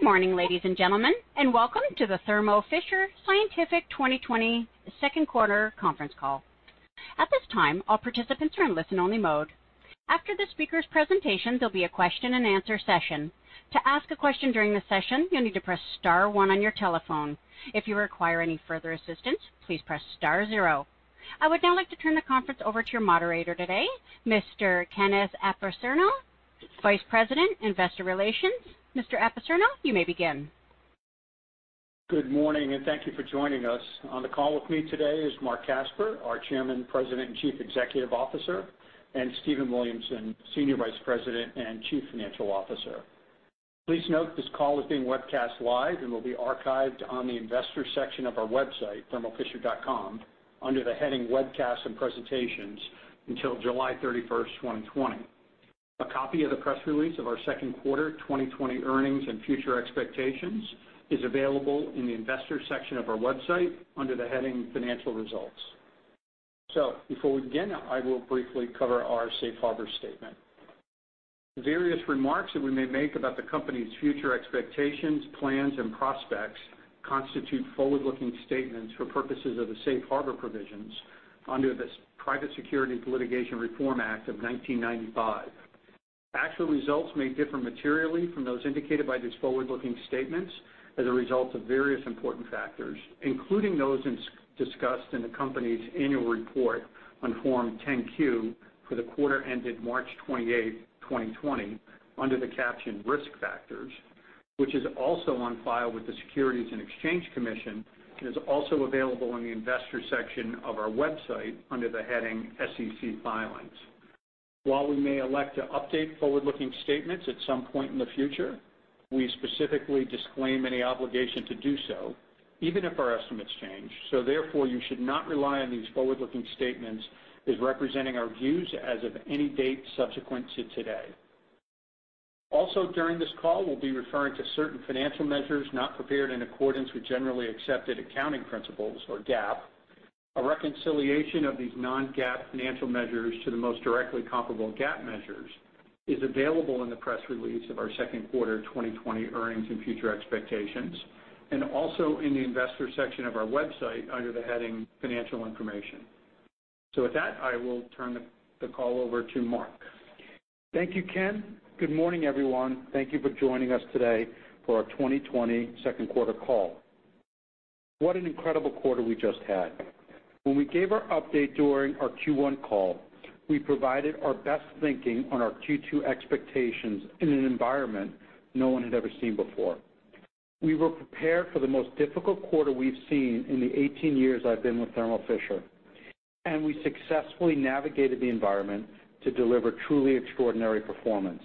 Good morning, ladies and gentlemen, and welcome to the Thermo Fisher Scientific 2020 second quarter conference call. At this time, all participants are in listen only mode. After the speaker's presentation, there'll be a question and answer session. To ask a question during the session, you'll need to press star one on your telephone. If you require any further assistance, please press star zero. I would now like to turn the conference over to your moderator today, Mr. Kenneth Apicerno, Vice President, Investor Relations. Mr. Apicerno, you may begin. Good morning. Thank you for joining us. On the call with me today is Marc Casper, our Chairman, President, and Chief Executive Officer, and Stephen Williamson, Senior Vice President and Chief Financial Officer. Please note this call is being webcast live and will be archived on the investors section of our website, thermofisher.com, under the heading Webcasts and Presentations until July 31st, 2020. A copy of the press release of our second quarter 2020 earnings and future expectations is available in the investors section of our website under the heading Financial Results. Before we begin, I will briefly cover our safe harbor statement. Various remarks that we may make about the company's future expectations, plans and prospects constitute forward-looking statements for purposes of the safe harbor provisions under the Private Securities Litigation Reform Act of 1995. Actual results may differ materially from those indicated by these forward-looking statements as a result of various important factors, including those discussed in the company's annual report on Form 10-Q for the quarter ended March 28, 2020 under the caption Risk Factors, which is also on file with the Securities and Exchange Commission and is also available on the investors section of our website under the heading SEC Filings. While we may elect to update forward-looking statements at some point in the future, we specifically disclaim any obligation to do so, even if our estimates change. Therefore, you should not rely on these forward-looking statements as representing our views as of any date subsequent to today. Also, during this call, we'll be referring to certain financial measures not prepared in accordance with generally accepted accounting principles, or GAAP. A reconciliation of these non-GAAP financial measures to the most directly comparable GAAP measures is available in the press release of our second quarter 2020 earnings and future expectations, and also in the investors section of our website under the heading Financial Information. With that, I will turn the call over to Marc. Thank you, Ken. Good morning, everyone. Thank you for joining us today for our 2020 second quarter call. What an incredible quarter we just had. When we gave our update during our Q1 call, we provided our best thinking on our Q2 expectations in an environment no one had ever seen before. We were prepared for the most difficult quarter we've seen in the 18 years I've been with Thermo Fisher, and we successfully navigated the environment to deliver truly extraordinary performance.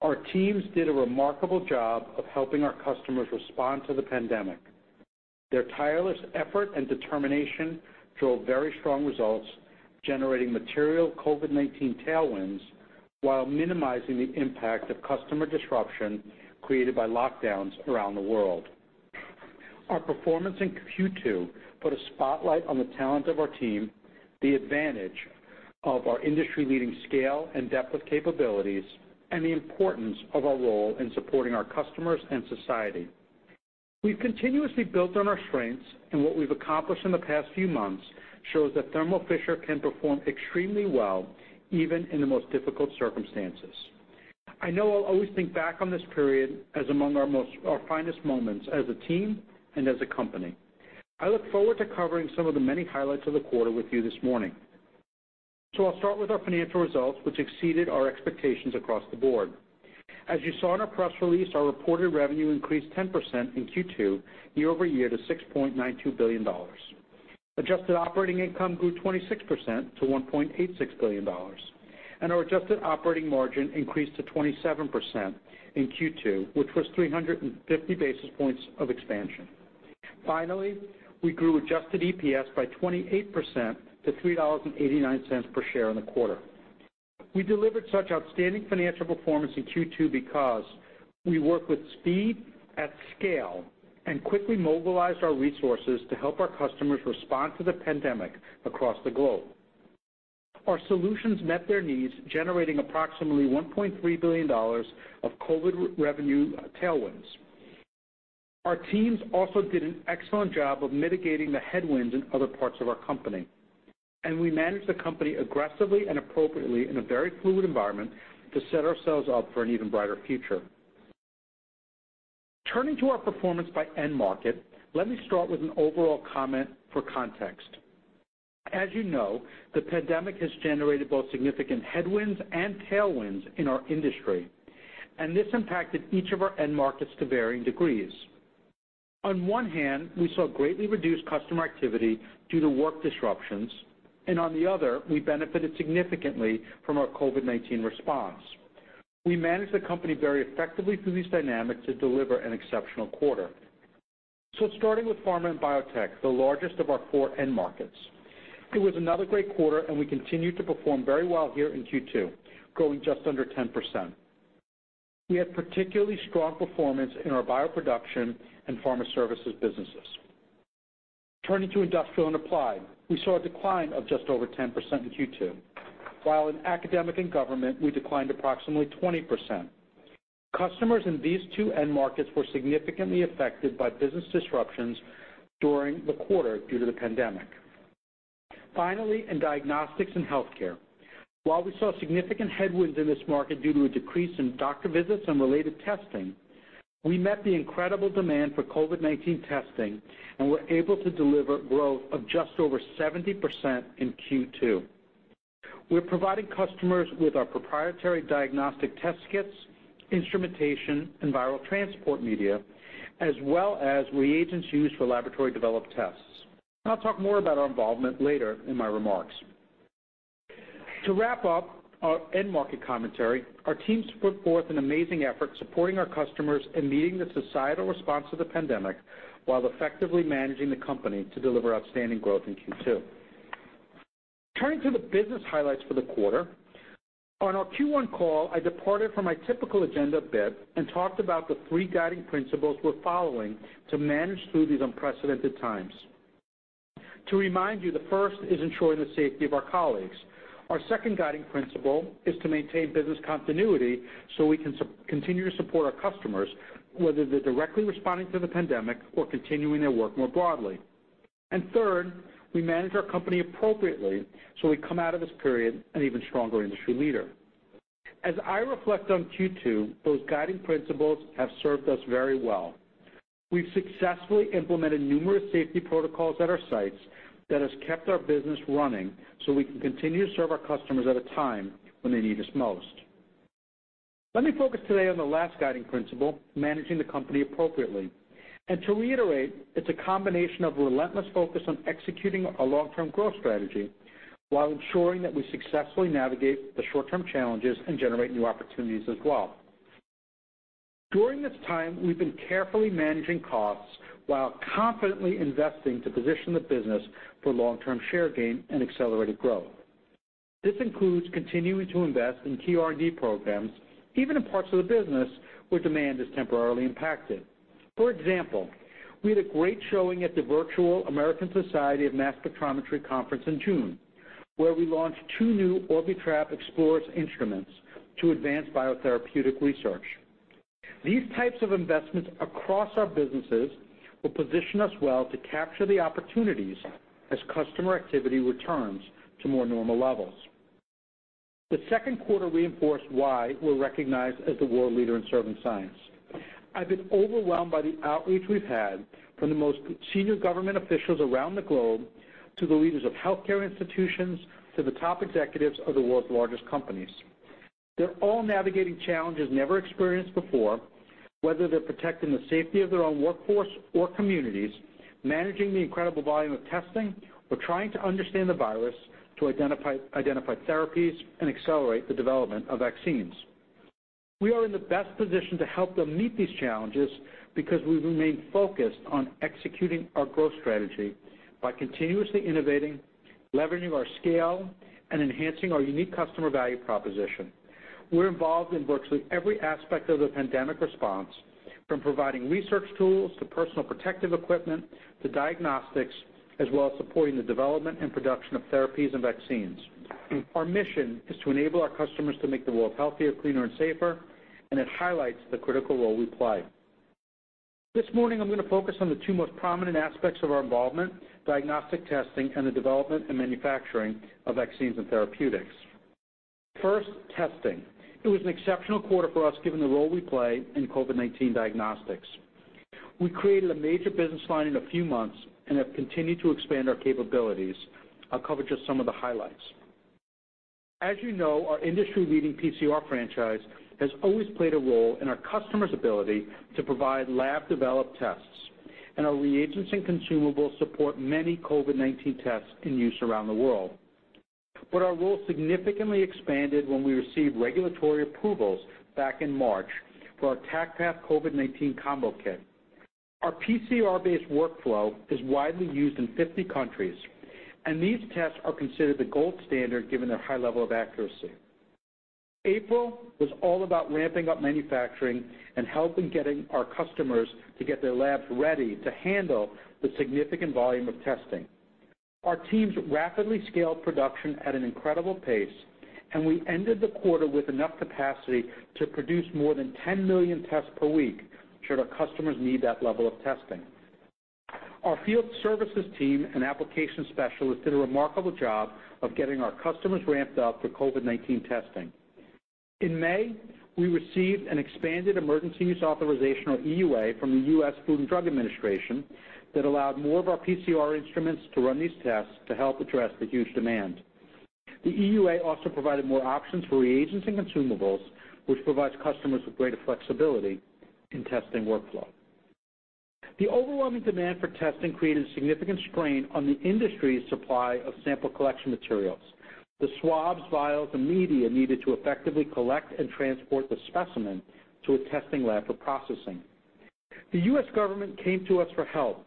Our teams did a remarkable job of helping our customers respond to the pandemic. Their tireless effort and determination drove very strong results, generating material COVID-19 tailwinds, while minimizing the impact of customer disruption created by lockdowns around the world. Our performance in Q2 put a spotlight on the talent of our team, the advantage of our industry-leading scale and depth of capabilities, and the importance of our role in supporting our customers and society. We've continuously built on our strengths, and what we've accomplished in the past few months shows that Thermo Fisher can perform extremely well, even in the most difficult circumstances. I know I'll always think back on this period as among our most, our finest moments as a team and as a company. I look forward to covering some of the many highlights of the quarter with you this morning. I'll start with our financial results, which exceeded our expectations across the board. As you saw in our press release, our reported revenue increased 10% in Q2 year-over-year to $6.92 billion. Adjusted operating income grew 26% to $1.86 billion. Our adjusted operating margin increased to 27% in Q2, which was 350 basis points of expansion. Finally, we grew adjusted EPS by 28% to $3.89 per share in the quarter. We delivered such outstanding financial performance in Q2 because we worked with speed, at scale, and quickly mobilized our resources to help our customers respond to the pandemic across the globe. Our solutions met their needs, generating approximately $1.3 billion of COVID revenue tailwinds. Our teams also did an excellent job of mitigating the headwinds in other parts of our company, and we managed the company aggressively and appropriately in a very fluid environment to set ourselves up for an even brighter future. Turning to our performance by end market, let me start with an overall comment for context. As you know, the pandemic has generated both significant headwinds and tailwinds in our industry, and this impacted each of our end markets to varying degrees. On one hand, we saw greatly reduced customer activity due to work disruptions, and on the other, we benefited significantly from our COVID-19 response. We managed the company very effectively through these dynamics to deliver an exceptional quarter. Starting with pharma and biotech, the largest of our core end markets. It was another great quarter and we continued to perform very well here in Q2, growing just under 10%. We had particularly strong performance in our bioproduction and pharma services businesses. Turning to industrial and applied, we saw a decline of just over 10% in Q2. While in academic and government, we declined approximately 20%. Customers in these two end markets were significantly affected by business disruptions during the quarter due to the pandemic. Finally, in diagnostics and healthcare, while we saw significant headwinds in this market due to a decrease in doctor visits and related testing, we met the incredible demand for COVID-19 testing and were able to deliver growth of just over 70% in Q2. We're providing customers with our proprietary diagnostic test kits, instrumentation, and viral transport media, as well as reagents used for laboratory-developed tests. I'll talk more about our involvement later in my remarks. To wrap up our end market commentary, our teams put forth an amazing effort supporting our customers and meeting the societal response to the pandemic, while effectively managing the company to deliver outstanding growth in Q2. Turning to the business highlights for the quarter. On our Q1 call, I departed from my typical agenda a bit and talked about the three guiding principles we're following to manage through these unprecedented times. To remind you, the first is ensuring the safety of our colleagues. Our second guiding principle is to maintain business continuity so we can continue to support our customers, whether they're directly responding to the pandemic or continuing their work more broadly. Third, we manage our company appropriately so we come out of this period an even stronger industry leader. As I reflect on Q2, those guiding principles have served us very well. We've successfully implemented numerous safety protocols at our sites that has kept our business running so we can continue to serve our customers at a time when they need us most. Let me focus today on the last guiding principle, managing the company appropriately. To reiterate, it's a combination of relentless focus on executing our long-term growth strategy while ensuring that we successfully navigate the short-term challenges and generate new opportunities as well. During this time, we've been carefully managing costs while confidently investing to position the business for long-term share gain and accelerated growth. This includes continuing to invest in key R&D programs, even in parts of the business where demand is temporarily impacted. For example, we had a great showing at the virtual American Society for Mass Spectrometry conference in June, where we launched two new Orbitrap Exploris instruments to advance biotherapeutic research. These types of investments across our businesses will position us well to capture the opportunities as customer activity returns to more normal levels. The second quarter reinforced why we're recognized as the world leader in serving science. I've been overwhelmed by the outreach we've had from the most senior government officials around the globe, to the leaders of healthcare institutions, to the top executives of the world's largest companies. They're all navigating challenges never experienced before, whether they're protecting the safety of their own workforce or communities, managing the incredible volume of testing, or trying to understand the virus to identify therapies and accelerate the development of vaccines. We are in the best position to help them meet these challenges because we've remained focused on executing our growth strategy by continuously innovating, leveraging our scale, and enhancing our unique customer value proposition. We're involved in virtually every aspect of the pandemic response, from providing research tools to personal protective equipment to diagnostics, as well as supporting the development and production of therapies and vaccines. Our mission is to enable our customers to make the world healthier, cleaner, and safer, and it highlights the critical role we play. This morning, I'm going to focus on the two most prominent aspects of our involvement, diagnostic testing and the development and manufacturing of vaccines and therapeutics. First, testing. It was an exceptional quarter for us, given the role we play in COVID-19 diagnostics. We created a major business line in a few months and have continued to expand our capabilities. I'll cover just some of the highlights. As you know, our industry-leading PCR franchise has always played a role in our customers' ability to provide lab-developed tests, and our reagents and consumables support many COVID-19 tests in use around the world. Our role significantly expanded when we received regulatory approvals back in March for our TaqPath COVID-19 Combo Kit. Our PCR-based workflow is widely used in 50 countries, and these tests are considered the gold standard given their high level of accuracy. April was all about ramping up manufacturing and helping getting our customers to get their labs ready to handle the significant volume of testing. Our teams rapidly scaled production at an incredible pace, and we ended the quarter with enough capacity to produce more than 10 million tests per week should our customers need that level of testing. Our field services team and application specialists did a remarkable job of getting our customers ramped up for COVID-19 testing. In May, we received an expanded Emergency Use Authorization, or EUA, from the U.S. Food and Drug Administration that allowed more of our PCR instruments to run these tests to help address the huge demand. The EUA also provided more options for reagents and consumables, which provides customers with greater flexibility in testing workflow. The overwhelming demand for testing created a significant strain on the industry's supply of sample collection materials, the swabs, vials, and media needed to effectively collect and transport the specimen to a testing lab for processing. The U.S. government came to us for help,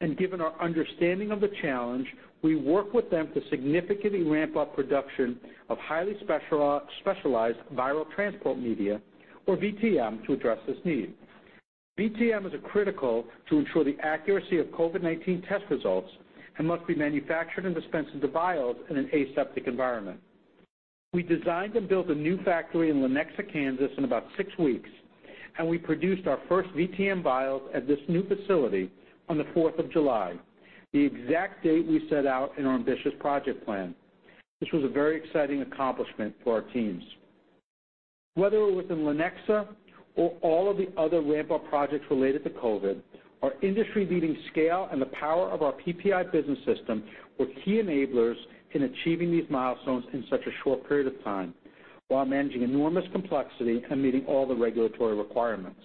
and given our understanding of the challenge, we worked with them to significantly ramp up production of highly specialized viral transport media or VTM to address this need. VTM is critical to ensure the accuracy of COVID-19 test results and must be manufactured and dispensed into vials in an aseptic environment. We designed and built a new factory in Lenexa, Kansas, in about six weeks, and we produced our first VTM vials at this new facility on the 4th of July, the exact date we set out in our ambitious project plan. This was a very exciting accomplishment for our teams. Whether it was in Lenexa or all of the other ramp-up projects related to COVID, our industry-leading scale and the power of our PPI business system were key enablers in achieving these milestones in such a short period of time while managing enormous complexity and meeting all the regulatory requirements.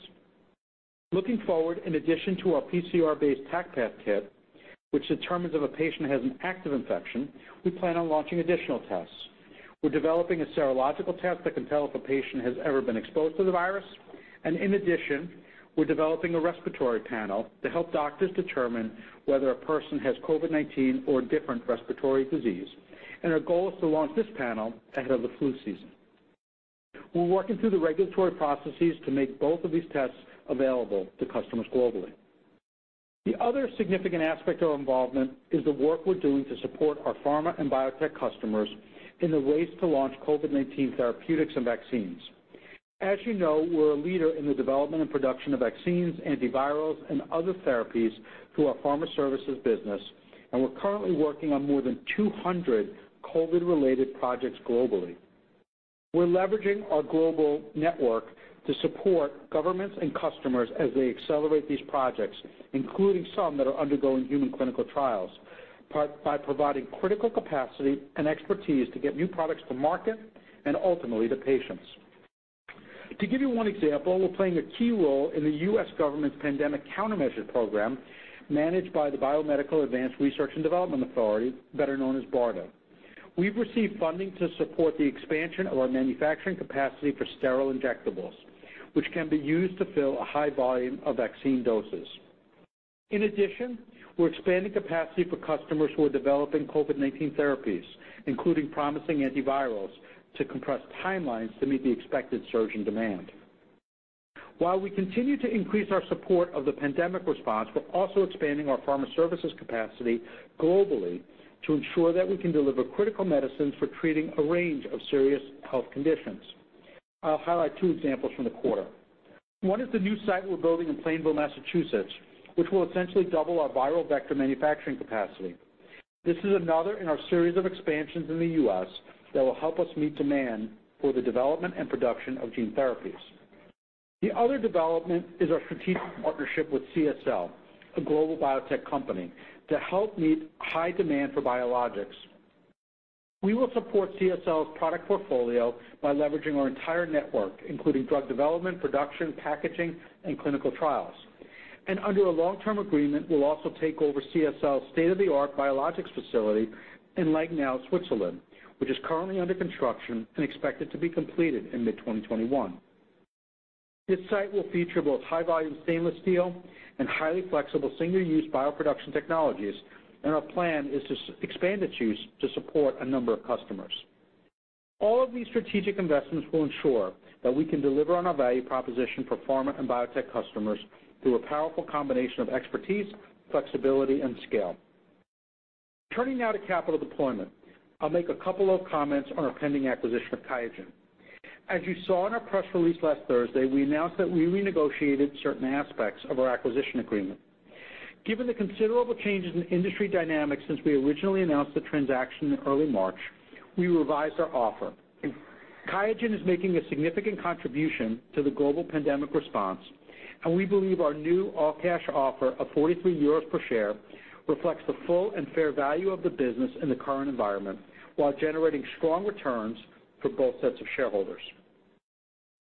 Looking forward, in addition to our PCR-based TaqPath kit, which determines if a patient has an active infection, we plan on launching additional tests. We're developing a serological test that can tell if a patient has ever been exposed to the virus. In addition, we're developing a respiratory panel to help doctors determine whether a person has COVID-19 or a different respiratory disease. Our goal is to launch this panel ahead of the flu season. We're working through the regulatory processes to make both of these tests available to customers globally. The other significant aspect of involvement is the work we're doing to support our pharma and biotech customers in the race to launch COVID-19 therapeutics and vaccines. As you know, we're a leader in the development and production of vaccines, antivirals, and other therapies through our pharma services business, and we're currently working on more than 200 COVID-related projects globally. We're leveraging our global network to support governments and customers as they accelerate these projects, including some that are undergoing human clinical trials, by providing critical capacity and expertise to get new products to market and ultimately to patients. To give you one example, we're playing a key role in the U.S. government's Pandemic Countermeasure program, managed by the Biomedical Advanced Research and Development Authority, better known as BARDA. We've received funding to support the expansion of our manufacturing capacity for sterile injectables, which can be used to fill a high volume of vaccine doses. In addition, we're expanding capacity for customers who are developing COVID-19 therapies, including promising antivirals, to compress timelines to meet the expected surge in demand. While we continue to increase our support of the pandemic response, we're also expanding our pharma services capacity globally to ensure that we can deliver critical medicines for treating a range of serious health conditions. I'll highlight two examples from the quarter. One is the new site we're building in Plainville, Massachusetts, which will essentially double our viral vector manufacturing capacity. This is another in our series of expansions in the U.S. that will help us meet demand for the development and production of gene therapies. The other development is our strategic partnership with CSL, a global biotech company, to help meet high demand for biologics. We will support CSL's product portfolio by leveraging our entire network, including drug development, production, packaging, and clinical trials. Under a long-term agreement, we'll also take over CSL's state-of-the-art biologics facility in Lengnau, Switzerland, which is currently under construction and expected to be completed in mid 2021. This site will feature both high-volume stainless steel and highly flexible single-use bioproduction technologies, and our plan is to expand its use to support a number of customers. All of these strategic investments will ensure that we can deliver on our value proposition for pharma and biotech customers through a powerful combination of expertise, flexibility, and scale. Turning now to capital deployment. I'll make a couple of comments on our pending acquisition of QIAGEN. As you saw in our press release last Thursday, we announced that we renegotiated certain aspects of our acquisition agreement. Given the considerable changes in industry dynamics since we originally announced the transaction in early March, we revised our offer. QIAGEN is making a significant contribution to the global pandemic response, and we believe our new all-cash offer of 43 euros per share reflects the full and fair value of the business in the current environment while generating strong returns for both sets of shareholders.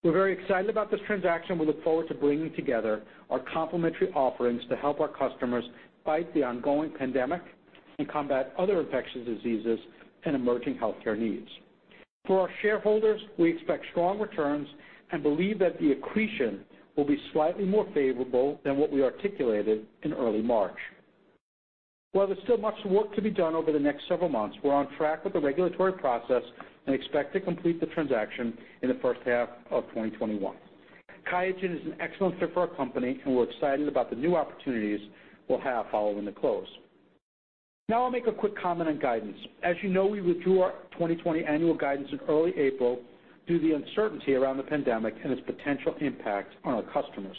We're very excited about this transaction. We look forward to bringing together our complementary offerings to help our customers fight the ongoing pandemic and combat other infectious diseases and emerging healthcare needs. For our shareholders, we expect strong returns and believe that the accretion will be slightly more favorable than what we articulated in early March. While there's still much work to be done over the next several months, we're on track with the regulatory process and expect to complete the transaction in the first half of 2021. QIAGEN is an excellent fit for our company, and we're excited about the new opportunities we'll have following the close. Now I'll make a quick comment on guidance. As you know, we withdrew our 2020 annual guidance in early April due to the uncertainty around the pandemic and its potential impact on our customers.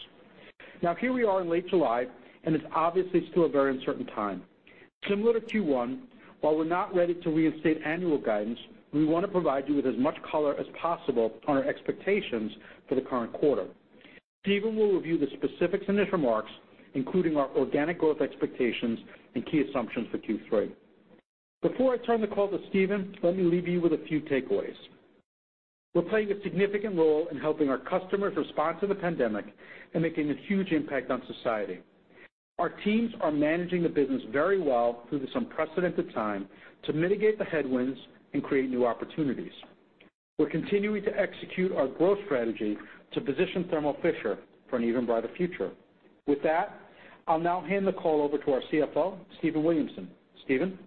Now, here we are in late July, and it's obviously still a very uncertain time. Similar to Q1, while we're not ready to reinstate annual guidance, we want to provide you with as much color as possible on our expectations for the current quarter. Stephen will review the specifics in his remarks, including our organic growth expectations and key assumptions for Q3. Before I turn the call to Stephen, let me leave you with a few takeaways. We're playing a significant role in helping our customers respond to the pandemic and making a huge impact on society. Our teams are managing the business very well through this unprecedented time to mitigate the headwinds and create new opportunities. We're continuing to execute our growth strategy to position Thermo Fisher for an even brighter future. With that, I'll now hand the call over to our CFO, Stephen Williamson. Stephen?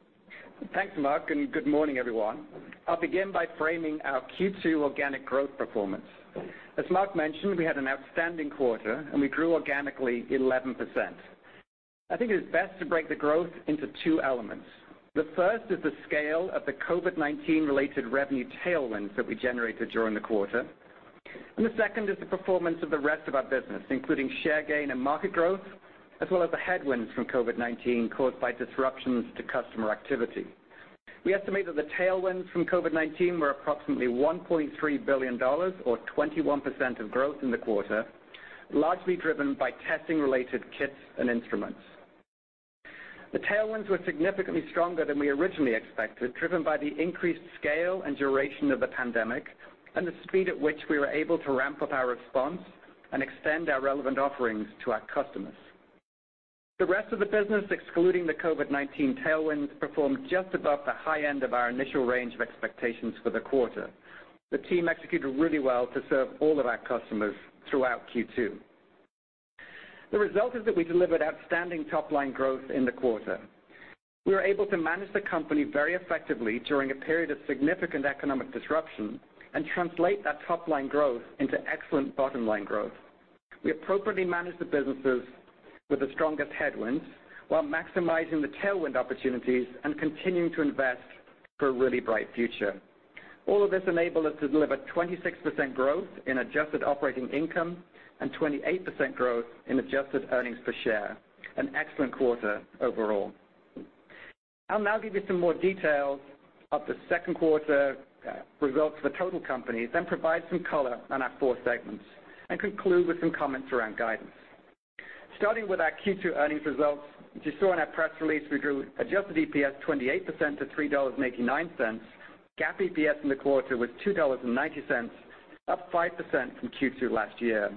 Thanks, Marc, and good morning, everyone. I'll begin by framing our Q2 organic growth performance. As Marc mentioned, we had an outstanding quarter, and we grew organically 11%. I think it is best to break the growth into two elements. The first is the scale of the COVID-19 related revenue tailwinds that we generated during the quarter, and the second is the performance of the rest of our business, including share gain and market growth, as well as the headwinds from COVID-19 caused by disruptions to customer activity. We estimate that the tailwinds from COVID-19 were approximately $1.3 billion, or 21% of growth in the quarter, largely driven by testing-related kits and instruments. The tailwinds were significantly stronger than we originally expected, driven by the increased scale and duration of the pandemic, and the speed at which we were able to ramp up our response and extend our relevant offerings to our customers. The rest of the business, excluding the COVID-19 tailwinds, performed just above the high end of our initial range of expectations for the quarter. The team executed really well to serve all of our customers throughout Q2. The result is that we delivered outstanding top-line growth in the quarter. We were able to manage the company very effectively during a period of significant economic disruption and translate that top-line growth into excellent bottom-line growth. We appropriately managed the businesses with the strongest headwinds while maximizing the tailwind opportunities and continuing to invest for a really bright future. All of this enabled us to deliver 26% growth in adjusted operating income and 28% growth in adjusted earnings per share. An excellent quarter overall. I'll now give you some more details of the second quarter results for the total company, then provide some color on our four segments, and conclude with some comments around guidance. Starting with our Q2 earnings results. You saw in our press release we grew adjusted EPS 28% to $3.89. GAAP EPS in the quarter was $2.90, up 5% from Q2 last year.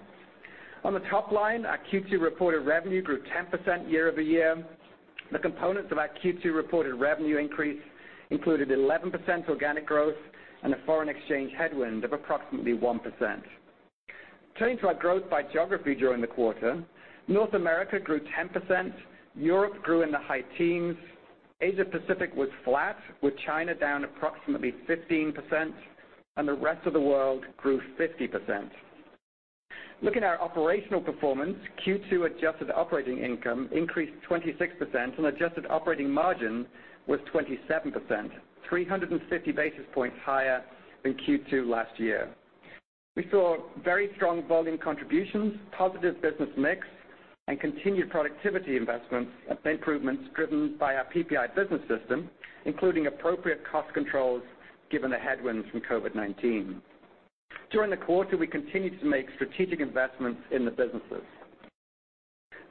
On the top line, our Q2 reported revenue grew 10% year-over-year. The components of our Q2 reported revenue increase included 11% organic growth and a foreign exchange headwind of approximately 1%. Turning to our growth by geography during the quarter, North America grew 10%, Europe grew in the high teens, Asia Pacific was flat with China down approximately 15%, and the rest of the world grew 50%. Looking at our operational performance, Q2 adjusted operating income increased 26%, and adjusted operating margin was 27%, 350 basis points higher than Q2 last year. We saw very strong volume contributions, positive business mix, and continued productivity investments and improvements driven by our PPI business system, including appropriate cost controls given the headwinds from COVID-19. During the quarter, we continued to make strategic investments in the businesses.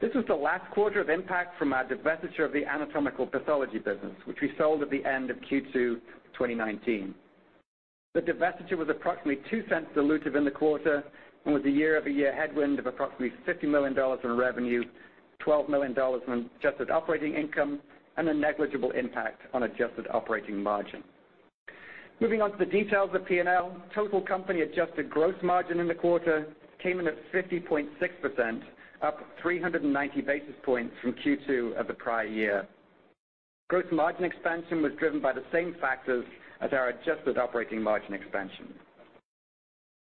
This was the last quarter of impact from our divestiture of the anatomical pathology business, which we sold at the end of Q2 2019. The divestiture was approximately two cents dilutive in the quarter and was a year-over-year headwind of approximately $50 million in revenue, $12 million in adjusted operating income, and a negligible impact on adjusted operating margin. Moving on to the details of P&L. Total company adjusted gross margin in the quarter came in at 50.6%, up 390 basis points from Q2 of the prior year. Gross margin expansion was driven by the same factors as our adjusted operating margin expansion.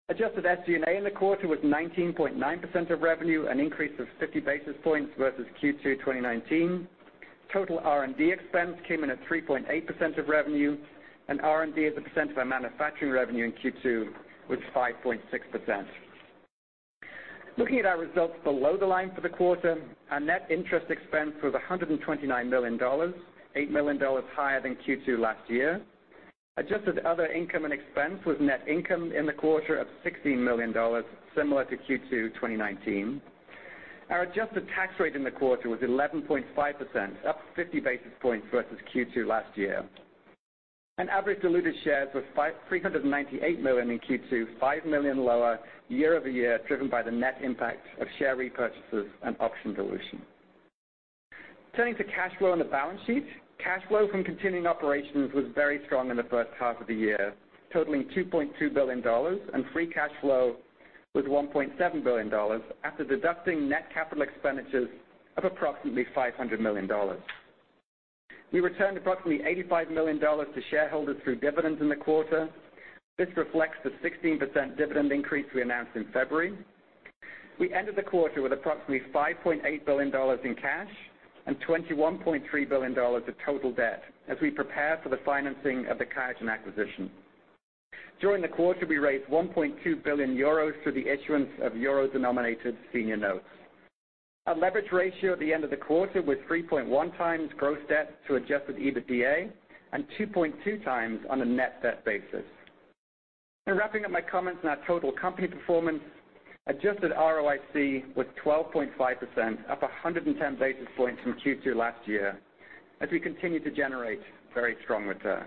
Adjusted SG&A in the quarter was 19.9% of revenue, an increase of 50 basis points versus Q2 2019. Total R&D expense came in at 3.8% of revenue, and R&D as a percent of our manufacturing revenue in Q2 was 5.6%. Looking at our results below the line for the quarter, our net interest expense was $129 million, $8 million higher than Q2 last year. Adjusted other income and expense was net income in the quarter of $16 million, similar to Q2 2019. Our adjusted tax rate in the quarter was 11.5%, up 50 basis points versus Q2 last year. Average diluted shares was 398 million in Q2, five million lower year-over-year, driven by the net impact of share repurchases and option dilution. Turning to cash flow and the balance sheet. Cash flow from continuing operations was very strong in the first half of the year, totaling $2.2 billion, and free cash flow was $1.7 billion, after deducting net capital expenditures of approximately $500 million. We returned approximately $85 million to shareholders through dividends in the quarter. This reflects the 16% dividend increase we announced in February. We ended the quarter with approximately $5.8 billion in cash and $21.3 billion of total debt as we prepare for the financing of the QIAGEN acquisition. During the quarter, we raised 1.2 billion euros through the issuance of euro-denominated senior notes. Our leverage ratio at the end of the quarter was 3.1 times gross debt to adjusted EBITDA and 2.2 times on a net debt basis. In wrapping up my comments on our total company performance, adjusted ROIC was 12.5%, up 110 basis points from Q2 last year, as we continue to generate very strong returns.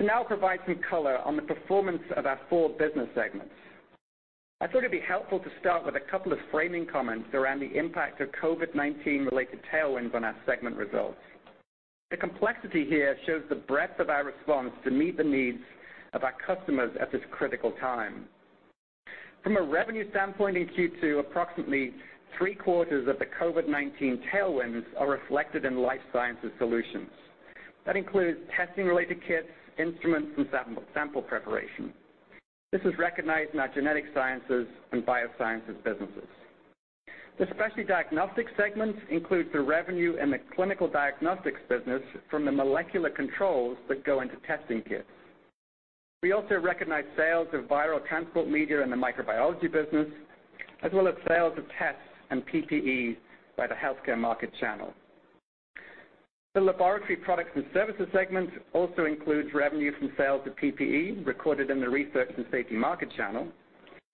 Now I'll provide some color on the performance of our four business segments. I thought it'd be helpful to start with a couple of framing comments around the impact of COVID-19 related tailwinds on our segment results. The complexity here shows the breadth of our response to meet the needs of our customers at this critical time. From a revenue standpoint in Q2, approximately three quarters of the COVID-19 tailwinds are reflected in Life Sciences Solutions. That includes testing-related kits, instruments, and sample preparation. This is recognized in our genetic sciences and biosciences businesses. The Specialty Diagnostics segment includes the revenue and the clinical diagnostics business from the molecular controls that go into testing kits. We also recognize sales of viral transport media in the microbiology business, as well as sales of tests and PPE by the healthcare market channel. The Laboratory Products and Services segment also includes revenue from sales of PPE recorded in the research and safety market channel.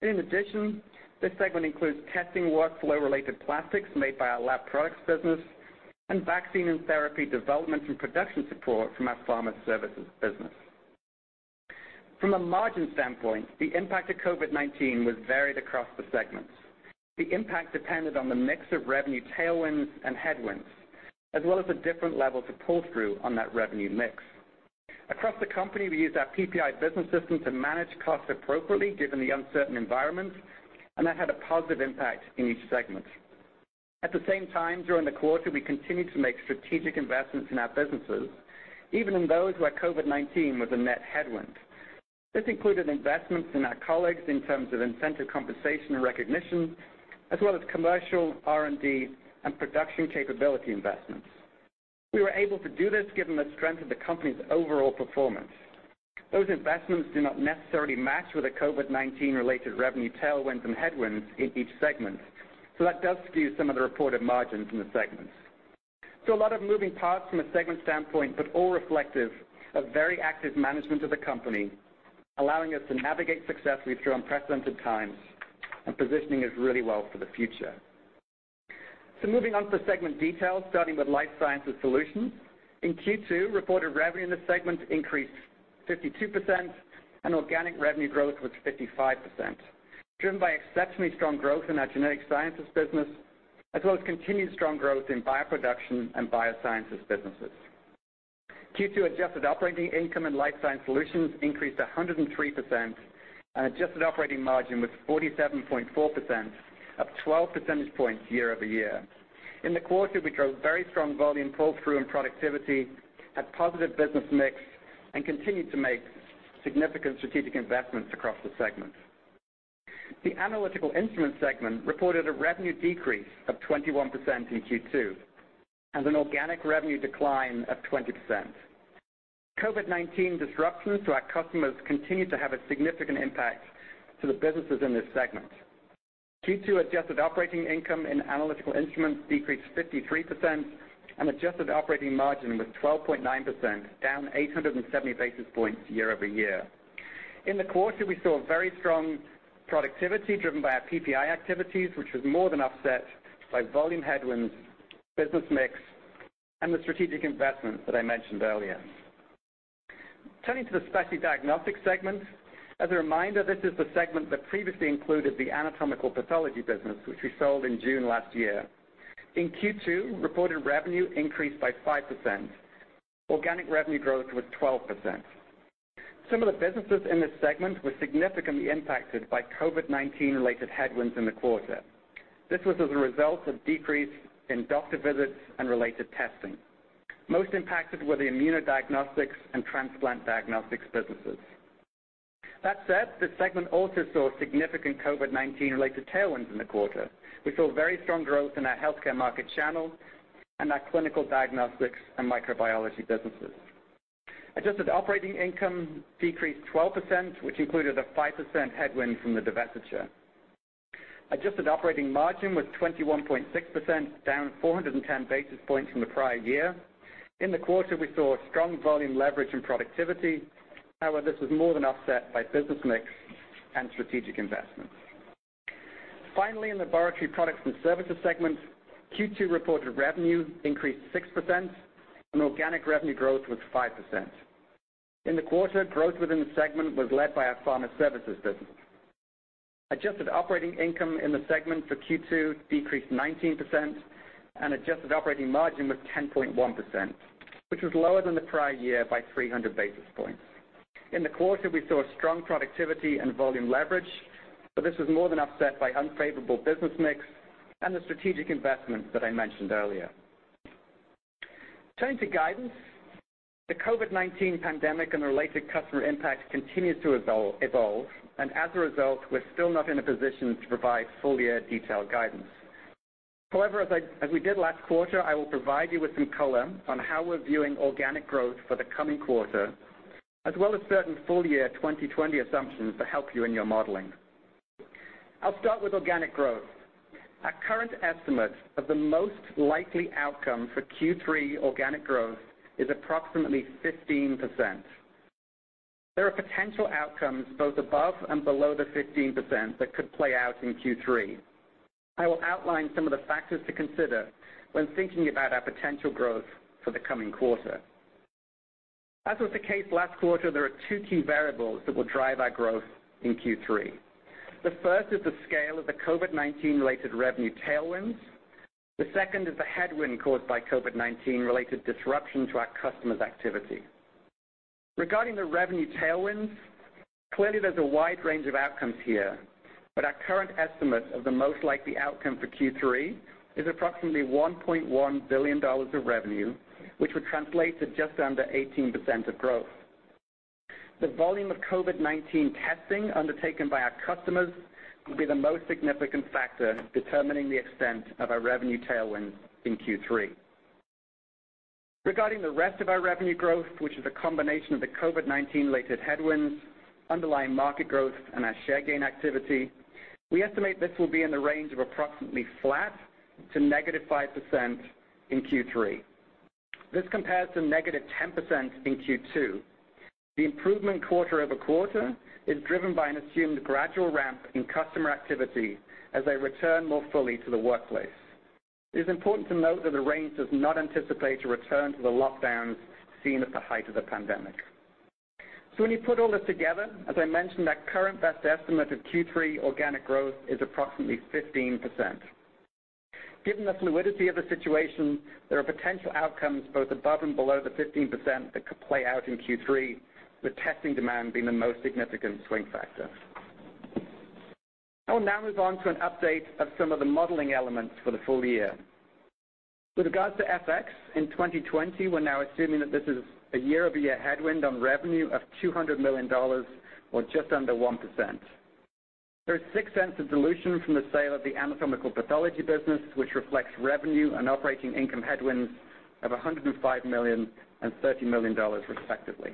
In addition, this segment includes testing workflow-related plastics made by our lab products business and vaccine and therapy development and production support from our pharma services business. From a margin standpoint, the impact of COVID-19 was varied across the segments. The impact depended on the mix of revenue tailwinds and headwinds, as well as the different levels of pull-through on that revenue mix. Across the company, we used our PPI business system to manage costs appropriately given the uncertain environment, and that had a positive impact in each segment. At the same time, during the quarter, we continued to make strategic investments in our businesses, even in those where COVID-19 was a net headwind. This included investments in our colleagues in terms of incentive compensation and recognition, as well as commercial, R&D, and production capability investments. We were able to do this given the strength of the company's overall performance. Those investments do not necessarily match with the COVID-19-related revenue tailwinds and headwinds in each segment, so that does skew some of the reported margins in the segments. A lot of moving parts from a segment standpoint, but all reflective of very active management of the company, allowing us to navigate successfully through unprecedented times and positioning us really well for the future. Moving on to segment details, starting with Life Sciences Solutions. In Q2, reported revenue in this segment increased 52%, and organic revenue growth was 55%, driven by exceptionally strong growth in our genetic sciences business, as well as continued strong growth in bioproduction and biosciences businesses. Q2 adjusted operating income and Life Sciences Solutions increased 103%, and adjusted operating margin was 47.4%, up 12 percentage points year-over-year. In the quarter, we drove very strong volume pull-through and productivity, had positive business mix, and continued to make significant strategic investments across the segment. The Analytical Instruments segment reported a revenue decrease of 21% in Q2 and an organic revenue decline of 20%. COVID-19 disruptions to our customers continued to have a significant impact to the businesses in this segment. Q2 adjusted operating income in Analytical Instruments decreased 53%, and adjusted operating margin was 12.9%, down 870 basis points year-over-year. In the quarter, we saw very strong productivity driven by our PPI activities, which was more than offset by volume headwinds, business mix, and the strategic investments that I mentioned earlier. Turning to the Specialty Diagnostics segment. As a reminder, this is the segment that previously included the anatomical pathology business, which we sold in June last year. In Q2, reported revenue increased by 5%. Organic revenue growth was 12%. Some of the businesses in this segment were significantly impacted by COVID-19-related headwinds in the quarter. This was as a result of decrease in doctor visits and related testing. Most impacted were the immunodiagnostics and transplant diagnostics businesses. That said, this segment also saw significant COVID-19-related tailwinds in the quarter. We saw very strong growth in our healthcare market channel and our clinical diagnostics and microbiology businesses. Adjusted operating income decreased 12%, which included a 5% headwind from the divestiture. Adjusted operating margin was 21.6%, down 410 basis points from the prior year. In the quarter, we saw strong volume leverage and productivity. However, this was more than offset by business mix and strategic investments. Finally, in Laboratory Products and Services segment, Q2 reported revenue increased 6%, and organic revenue growth was 5%. In the quarter, growth within the segment was led by our pharma services business. Adjusted operating income in the segment for Q2 decreased 19%, and adjusted operating margin was 10.1%, which was lower than the prior year by 300 basis points. In the quarter, we saw strong productivity and volume leverage, but this was more than offset by unfavorable business mix and the strategic investments that I mentioned earlier. Turning to guidance. The COVID-19 pandemic and the related customer impact continues to evolve, and as a result, we're still not in a position to provide full-year detailed guidance. However, as we did last quarter, I will provide you with some color on how we're viewing organic growth for the coming quarter, as well as certain full-year 2020 assumptions to help you in your modeling. I'll start with organic growth. Our current estimate of the most likely outcome for Q3 organic growth is approximately 15%. There are potential outcomes both above and below the 15% that could play out in Q3. I will outline some of the factors to consider when thinking about our potential growth for the coming quarter. As was the case last quarter, there are two key variables that will drive our growth in Q3. The first is the scale of the COVID-19-related revenue tailwinds. The second is the headwind caused by COVID-19-related disruption to our customers' activity. Regarding the revenue tailwinds, clearly there's a wide range of outcomes here, but our current estimate of the most likely outcome for Q3 is approximately $1.1 billion of revenue, which would translate to just under 18% of growth. The volume of COVID-19 testing undertaken by our customers will be the most significant factor determining the extent of our revenue tailwind in Q3. Regarding the rest of our revenue growth, which is a combination of the COVID-19-related headwinds, underlying market growth, and our share gain activity, we estimate this will be in the range of approximately flat to negative 5% in Q3. This compares to negative 10% in Q2. The improvement quarter-over-quarter is driven by an assumed gradual ramp in customer activity as they return more fully to the workplace. It is important to note that the range does not anticipate a return to the lockdowns seen at the height of the pandemic. When you put all this together, as I mentioned, our current best estimate of Q3 organic growth is approximately 15%. Given the fluidity of the situation, there are potential outcomes both above and below the 15% that could play out in Q3, with testing demand being the most significant swing factor. I will now move on to an update of some of the modeling elements for the full year. With regards to FX in 2020, we're now assuming that this is a year-over-year headwind on revenue of $200 million or just under 1%. There is $0.06 of dilution from the sale of the anatomical pathology business, which reflects revenue and operating income headwinds of $105 million and $30 million respectively.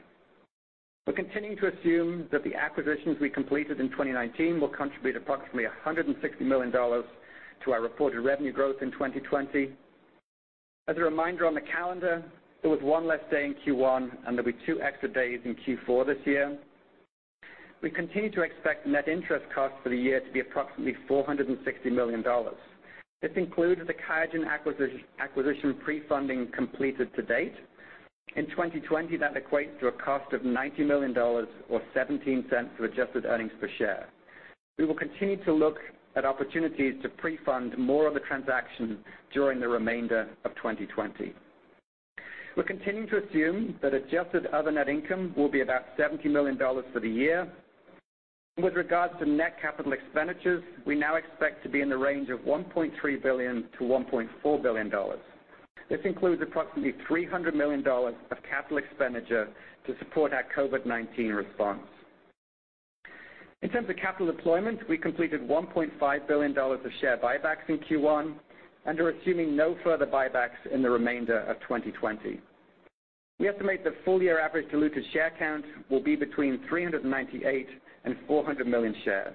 We're continuing to assume that the acquisitions we completed in 2019 will contribute approximately $160 million to our reported revenue growth in 2020. As a reminder on the calendar, there was one less day in Q1, and there'll be two extra days in Q4 this year. We continue to expect net interest costs for the year to be approximately $460 million. This includes the QIAGEN acquisition pre-funding completed to date. In 2020, that equates to a cost of $90 million or $0.17 to adjusted earnings per share. We will continue to look at opportunities to pre-fund more of the transaction during the remainder of 2020. We're continuing to assume that adjusted other net income will be about $70 million for the year. With regards to net capital expenditures, we now expect to be in the range of $1.3 billion-$1.4 billion. This includes approximately $300 million of capital expenditure to support our COVID-19 response. In terms of capital deployment, we completed $1.5 billion of share buybacks in Q1 and are assuming no further buybacks in the remainder of 2020. We estimate the full-year average diluted share count will be between 398 and 400 million shares.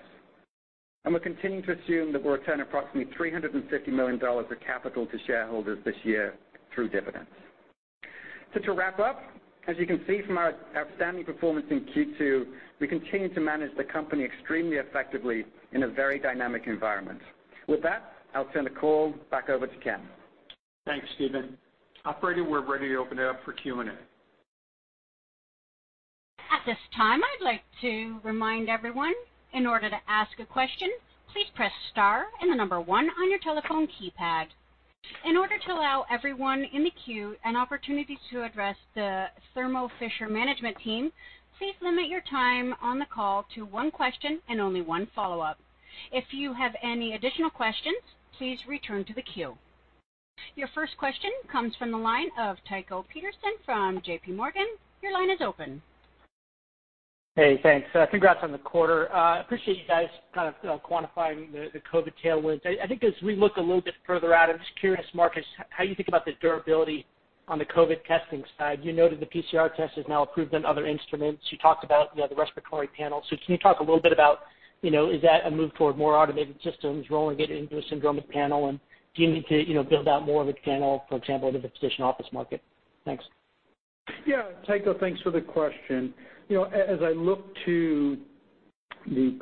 We're continuing to assume that we'll return approximately $350 million of capital to shareholders this year through dividends. To wrap up, as you can see from our outstanding performance in Q2, we continue to manage the company extremely effectively in a very dynamic environment. With that, I'll turn the call back over to Ken. Thanks, Stephen. Operator, we're ready to open it up for Q&A. At this time, I'd like to remind everyone, in order to ask a question, please press star and the number one on your telephone keypad. In order to allow everyone in the queue an opportunity to address the Thermo Fisher management team, please limit your time on the call to one question and only one follow-up. If you have any additional questions, please return to the queue. Your first question comes from the line of Tycho Peterson from JPMorgan. Your line is open. Hey, thanks. Congrats on the quarter. Appreciate you guys kind of quantifying the COVID tailwinds. I think as we look a little bit further out, I'm just curious, Marc, how you think about the durability on the COVID testing side. You noted the PCR test is now approved on other instruments. You talked about the other respiratory panel. Can you talk a little bit about, is that a move toward more automated systems, rolling it into a syndromic panel, and do you need to build out more of a panel, for example, in the physician office market? Thanks. Yeah. Tycho, thanks for the question. As I look to the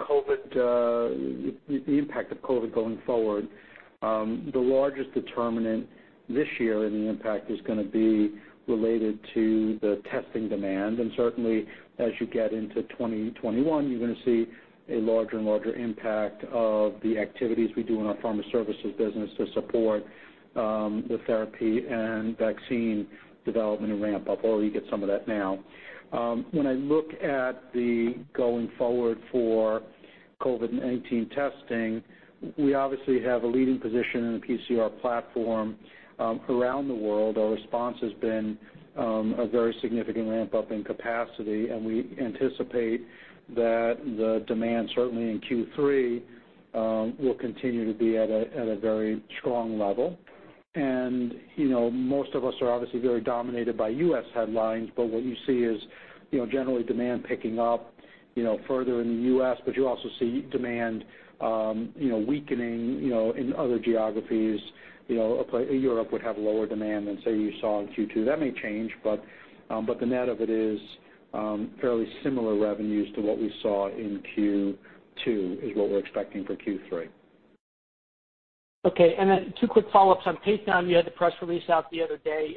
impact of COVID going forward, the largest determinant this year in the impact is going to be related to the testing demand. Certainly, as you get into 2021, you're going to see a larger and larger impact of the activities we do in our pharma services business to support the therapy and vaccine development and ramp up, although you get some of that now. When I look at the going forward for COVID-19 testing, we obviously have a leading position in the PCR platform around the world. Our response has been a very significant ramp-up in capacity, and we anticipate that the demand, certainly in Q3, will continue to be at a very strong level. Most of us are obviously very dominated by U.S. headlines, but what you see is generally demand picking up further in the U.S., but you also see demand weakening in other geographies. Europe would have lower demand than, say, you saw in Q2. That may change, but the net of it is fairly similar revenues to what we saw in Q2 is what we're expecting for Q3. Okay. Two quick follow-ups on Patheon. You had the press release out the other day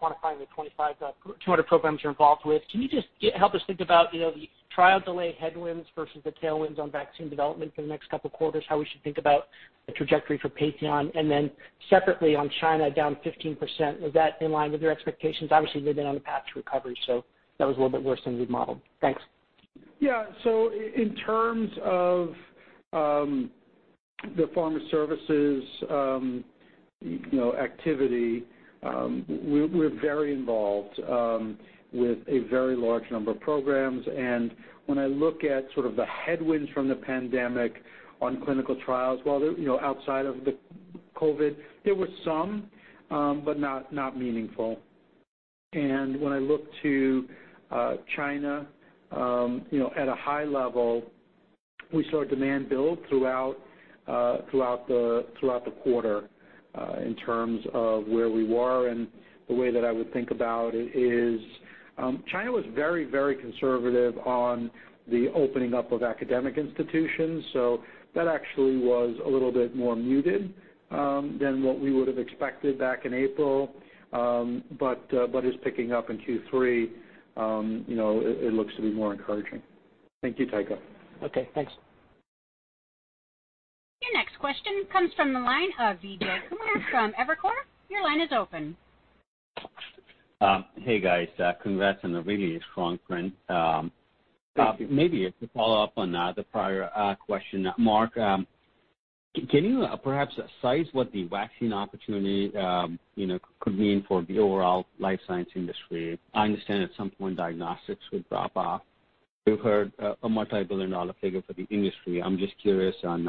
quantifying the 200 programs you're involved with. Can you just help us think about the trial delay headwinds versus the tailwinds on vaccine development for the next couple of quarters, how we should think about the trajectory for Patheon? Separately on China, down 15%, was that in line with your expectations? Obviously, they've been on a path to recovery, so that was a little bit worse than we'd modeled. Thanks. Yeah. In terms of the pharma services activity, we're very involved with a very large number of programs. When I look at sort of the headwinds from the pandemic on clinical trials, while outside of the COVID, there were some, but not meaningful. When I look to China, at a high level, we saw demand build throughout the quarter in terms of where we were. The way that I would think about it is, China was very conservative on the opening up of academic institutions. That actually was a little bit more muted than what we would've expected back in April. Is picking up in Q3. It looks to be more encouraging. Thank you, Tycho. Okay, thanks. Your next question comes from the line of Vijay Kumar from Evercore. Your line is open. Hey, guys. Congrats on a really strong print. Thanks. Maybe to follow up on the prior question, Marc, can you perhaps size what the vaccine opportunity could mean for the overall life science industry? I understand at some point diagnostics would drop off. We've heard a multi-billion-dollar figure for the industry. I'm just curious on,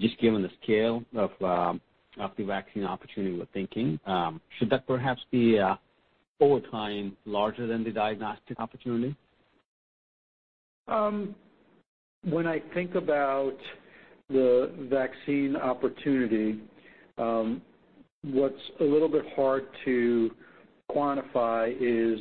just given the scale of the vaccine opportunity we're thinking, should that perhaps be over time larger than the diagnostic opportunity? When I think about the vaccine opportunity, what's a little bit hard to quantify is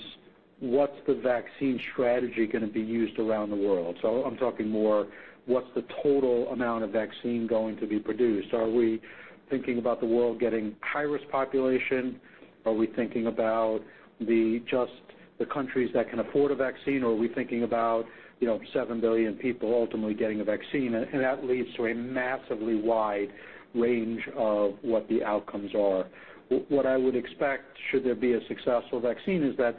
what's the vaccine strategy going to be used around the world. I'm talking more, what's the total amount of vaccine going to be produced? Are we thinking about the world getting high-risk population? Are we thinking about just the countries that can afford a vaccine? are we thinking about seven billion people ultimately getting a vaccine? That leads to a massively wide range of what the outcomes are. What I would expect should there be a successful vaccine is that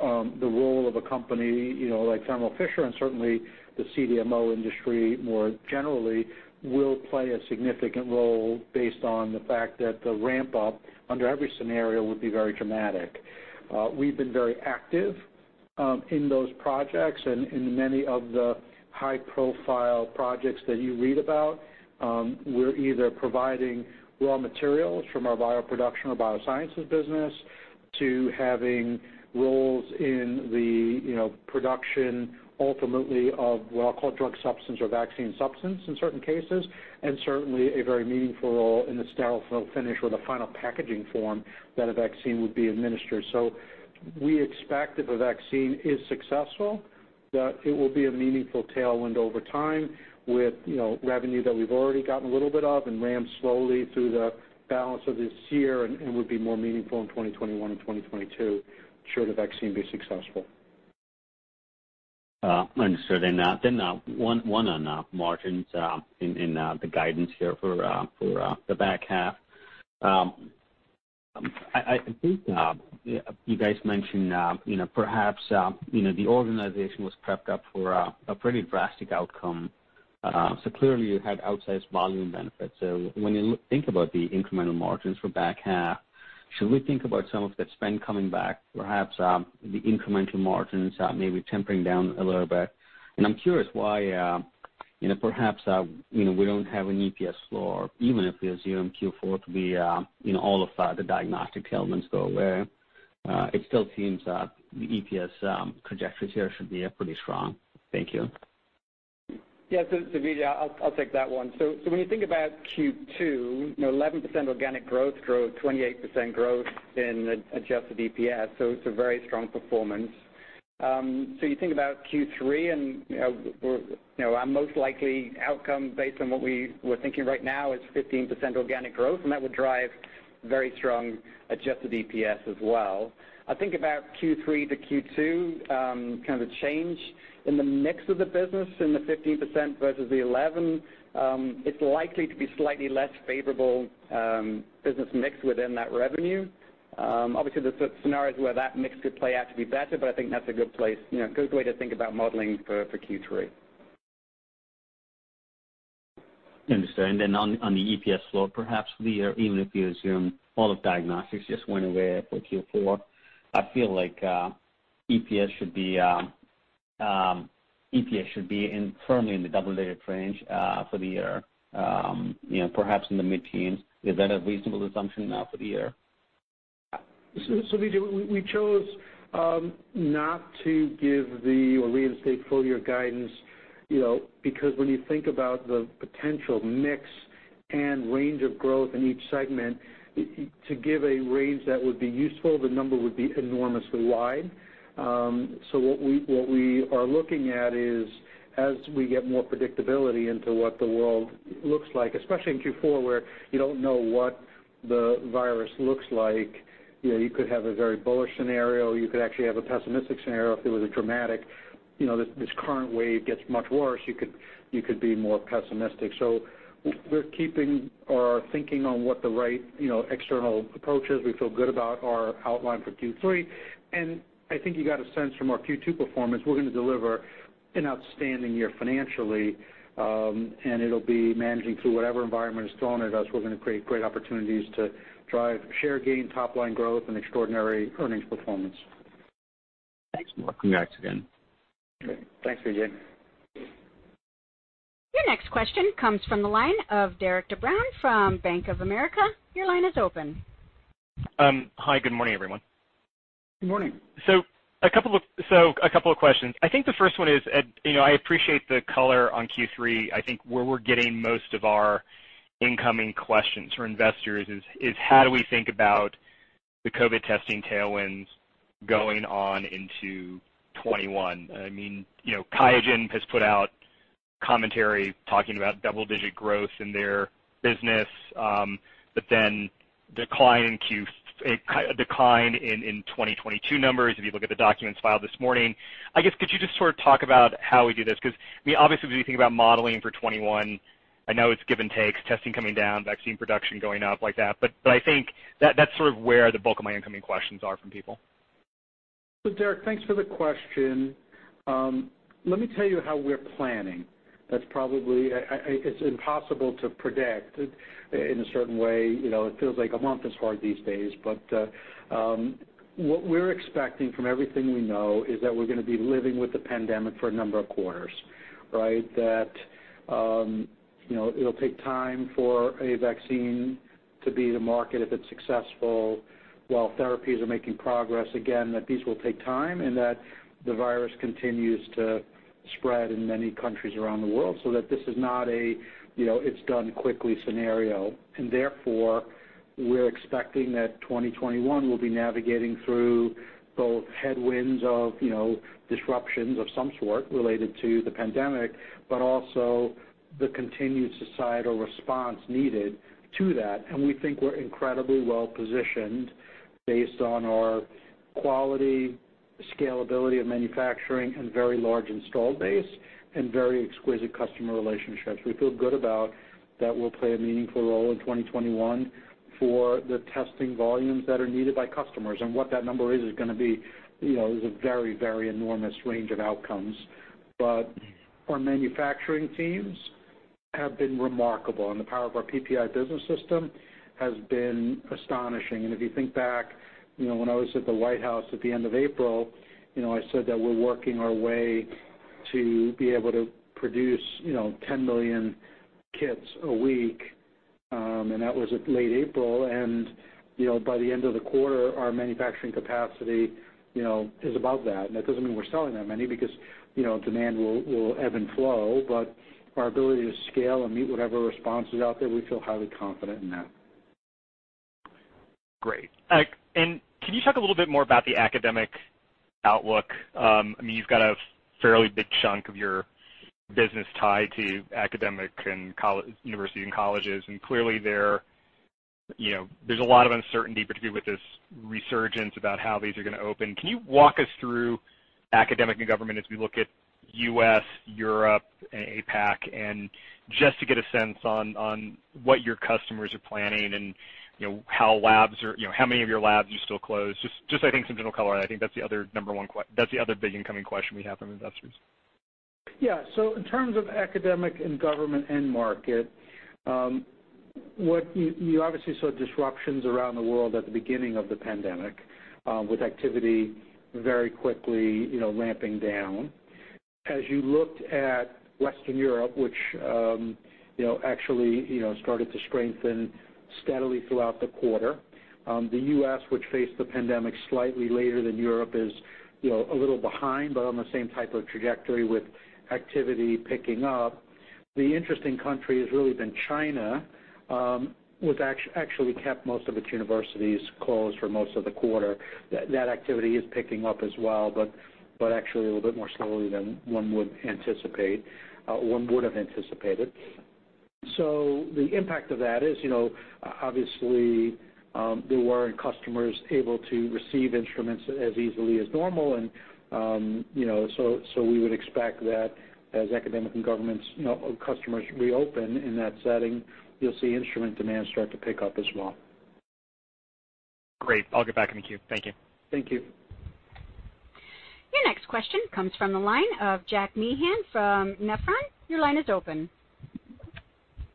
the role of a company like Thermo Fisher and certainly the CDMO industry more generally will play a significant role based on the fact that the ramp-up under every scenario would be very dramatic. We've been very active in those projects and in many of the high-profile projects that you read about. We're either providing raw materials from our bioproduction or biosciences business to having roles in the production ultimately of what I'll call drug substance or vaccine substance in certain cases, and certainly a very meaningful role in the sterile fill finish or the final packaging form that a vaccine would be administered. We expect if a vaccine is successful, that it will be a meaningful tailwind over time with revenue that we've already gotten a little bit of and ramp slowly through the balance of this year and would be more meaningful in 2021 and 2022 should a vaccine be successful. Understood. One on margins in the guidance here for the back half. I think you guys mentioned perhaps the organization was prepped up for a pretty drastic outcome. Clearly you had outsized volume benefits. When you think about the incremental margins for back half, should we think about some of that spend coming back, perhaps the incremental margins maybe tempering down a little bit. I'm curious why perhaps we don't have an EPS floor, even if we assume Q4 to be all of the diagnostic tailwinds go away. It still seems the EPS trajectories here should be pretty strong. Thank you. Yeah. Vijay, I'll take that one. When you think about Q2, 11% organic growth, 28% growth in adjusted EPS. It's a very strong performance. You think about Q3 and our most likely outcome based on what we're thinking right now is 15% organic growth, and that would drive very strong adjusted EPS as well. I think about Q3 to Q2, kind of the change in the mix of the business in the 15% versus the 11, it's likely to be slightly less favorable business mix within that revenue. Obviously, there's scenarios where that mix could play out to be better, but I think that's a good way to think about modeling for Q3. Understood. On the EPS floor, perhaps for the year, even if you assume all of diagnostics just went away for Q4, I feel like EPS should be firmly in the double-digit range for the year. Perhaps in the mid-teens. Is that a reasonable assumption now for the year? Vijay, we chose not to give the or reinstate full-year guidance because when you think about the potential mix and range of growth in each segment, to give a range that would be useful, the number would be enormously wide. what we are looking at is as we get more predictability into what the world looks like, especially in Q4 where you don't know what the virus looks like, you could have a very bullish scenario, you could actually have a pessimistic scenario if there was a dramatic, this current wave gets much worse, you could be more pessimistic. we're keeping our thinking on what the right external approach is. We feel good about our outline for Q3, and I think you got a sense from our Q2 performance, we're going to deliver an outstanding year financially, and it'll be managing through whatever environment is thrown at us. We're going to create great opportunities to drive share gain, top-line growth, and extraordinary earnings performance. Thanks for welcoming us again. Thanks, Vijay. Your next question comes from the line of Derik De Bruin from Bank of America. Your line is open. Hi, good morning, everyone. Good morning. A couple of questions. I think the first one is, I appreciate the color on Q3. I think where we're getting most of our incoming questions from investors is, how do we think about the COVID testing tailwinds going on into 2021? QIAGEN has put out commentary talking about double-digit growth in their business, but then a decline in 2022 numbers if you look at the documents filed this morning. I guess, could you just sort of talk about how we do this? Because, obviously, as we think about modeling for 2021, I know it's give and takes, testing coming down, vaccine production going up like that, but I think that's sort of where the bulk of my incoming questions are from people. Derik, thanks for the question. Let me tell you how we're planning. It's impossible to predict in a certain way. It feels like a month is hard these days, but what we're expecting from everything we know is that we're going to be living with the pandemic for a number of quarters. Right? That it'll take time for a vaccine to be in the market if it's successful, while therapies are making progress, again, that these will take time, and that the virus continues to spread in many countries around the world, so that this is not a, it's done quickly scenario. Therefore, we're expecting that 2021 will be navigating through both headwinds of disruptions of some sort related to the pandemic, but also the continued societal response needed to that. We think we're incredibly well-positioned based on our quality, scalability of manufacturing, and very large installed base, and very exquisite customer relationships. We feel good about that we'll play a meaningful role in 2021 for the testing volumes that are needed by customers. What that number is going to be, there's a very, very enormous range of outcomes. Our manufacturing teams have been remarkable, and the power of our PPI business system has been astonishing. If you think back, when I was at the White House at the end of April, I said that we're working our way to be able to produce 10 million kits a week, and that was late April. By the end of the quarter, our manufacturing capacity is above that. that doesn't mean we're selling that many because demand will ebb and flow, but our ability to scale and meet whatever response is out there, we feel highly confident in that. Great. Can you talk a little bit more about the academic outlook? You've got a fairly big chunk of your business tied to academic and university and colleges, and clearly there's a lot of uncertainty, particularly with this resurgence about how these are going to open. Can you walk us through academic and government as we look at U.S., Europe, and APAC, and just to get a sense on what your customers are planning and how many of your labs are still closed? Just I think some general color on that. I think that's the other big incoming question we have from investors. Yeah. In terms of academic and government end market, you obviously saw disruptions around the world at the beginning of the pandemic, with activity very quickly ramping down. As you looked at Western Europe, which actually started to strengthen steadily throughout the quarter, the U.S., which faced the pandemic slightly later than Europe is a little behind, but on the same type of trajectory with activity picking up. The interesting country has really been China, which actually kept most of its universities closed for most of the quarter. That activity is picking up as well, but actually a little bit more slowly than one would have anticipated. the impact of that is, obviously, there weren't customers able to receive instruments as easily as normal, and so we would expect that as academic and governments customers reopen in that setting, you'll see instrument demand start to pick up as well. Great. I'll get back in the queue. Thank you. Thank you. Your next question comes from the line of Jack Meehan from Nephron. Your line is open.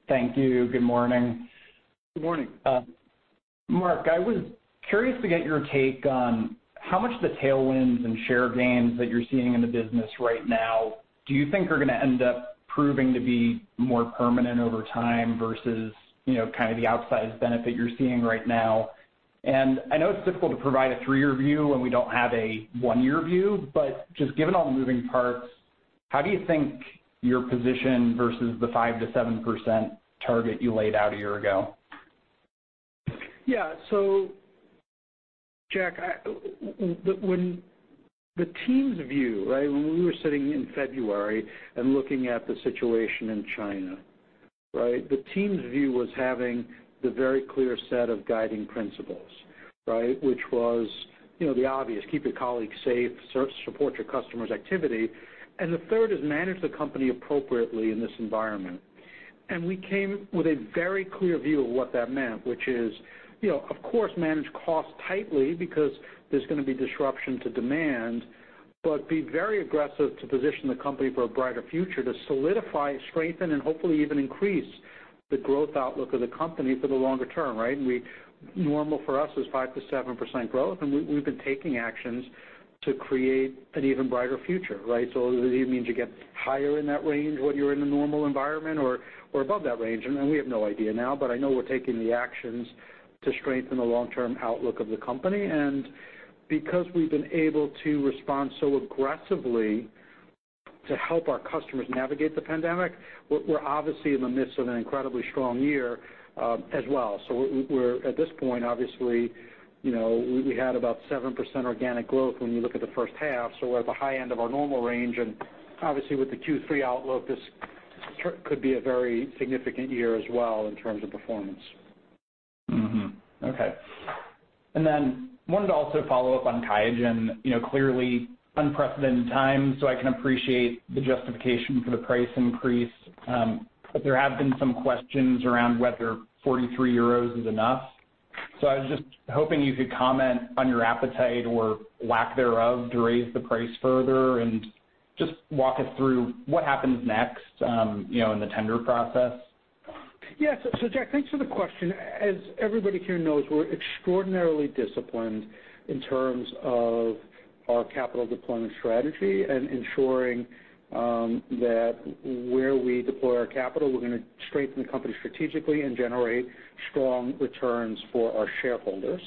Thank you. Good morning. Good morning. Marc, I was curious to get your take on how much the tailwinds and share gains that you're seeing in the business right now do you think are going to end up proving to be more permanent over time versus kind of the outsized benefit you're seeing right now? I know it's difficult to provide a three-year view when we don't have a one-year view, but just given all the moving parts, how do you think your position versus the 5% to 7% target you laid out a year ago? Yeah. Jack, the team's view, when we were sitting in February and looking at the situation in China. The team's view was having the very clear set of guiding principles. Which was the obvious, keep your colleagues safe, support your customers' activity, and the third is manage the company appropriately in this environment. We came with a very clear view of what that meant, which is, of course, manage costs tightly because there's going to be disruption to demand, but be very aggressive to position the company for a brighter future to solidify, strengthen, and hopefully even increase the growth outlook of the company for the longer term, right? Normal for us is 5%-7% growth, and we've been taking actions to create an even brighter future, right? Does it means you get higher in that range when you're in a normal environment or above that range? We have no idea now, but I know we're taking the actions to strengthen the long-term outlook of the company. Because we've been able to respond so aggressively to help our customers navigate the pandemic, we're obviously in the midst of an incredibly strong year as well. We're at this point, obviously, we had about 7% organic growth when you look at the first half, so we're at the high end of our normal range, and obviously with the Q3 outlook, this could be a very significant year as well in terms of performance. Mm-hmm. Okay. Wanted to also follow up on QIAGEN. Clearly unprecedented times, so I can appreciate the justification for the price increase. There have been some questions around whether 43 euros is enough. I was just hoping you could comment on your appetite or lack thereof to raise the price further, and just walk us through what happens next in the tender process. Yeah. Jack, thanks for the question. As everybody here knows, we're extraordinarily disciplined in terms of our capital deployment strategy and ensuring that where we deploy our capital, we're going to strengthen the company strategically and generate strong returns for our shareholders.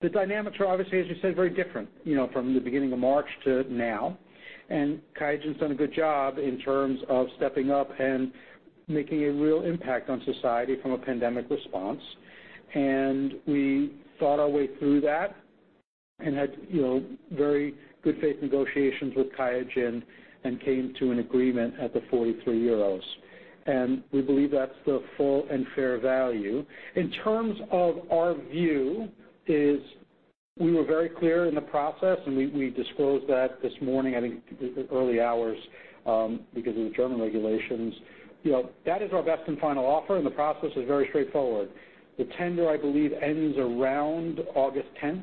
The dynamics are obviously, as you said, very different from the beginning of March to now. QIAGEN's done a good job in terms of stepping up and making a real impact on society from a pandemic response. We thought our way through that and had very good faith negotiations with QIAGEN and came to an agreement at the 43 euros. We believe that's the full and fair value. In terms of our view is we were very clear in the process, and we disclosed that this morning, I think, early hours, because of the German regulations. That is our best and final offer, and the process is very straightforward. The tender, I believe, ends around August 10th,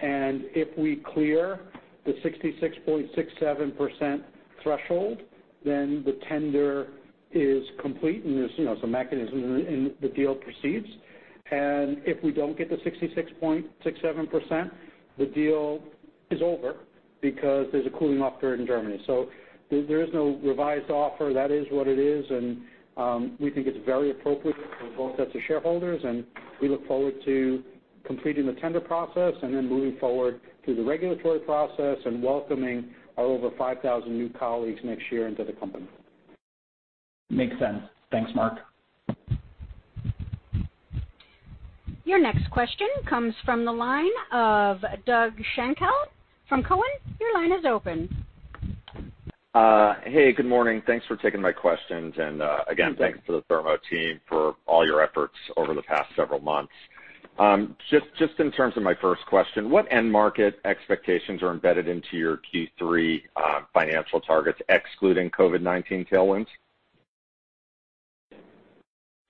and if we clear the 66.67% threshold, then the tender is complete, and there's some mechanism, and the deal proceeds. If we don't get the 66.67%, the deal is over because there's a cooling-off period in Germany. There is no revised offer. That is what it is, and we think it's very appropriate for both sets of shareholders, and we look forward to completing the tender process and then moving forward through the regulatory process and welcoming our over 5,000 new colleagues next year into the company. Makes sense. Thanks, Marc. Your next question comes from the line of Doug Schenkel from Cowen. Your line is open. Hey, good morning. Thanks for taking my questions, and again, thanks to the Thermo team for all your efforts over the past several months. Just in terms of my first question, what end market expectations are embedded into your Q3 financial targets excluding COVID-19 tailwinds?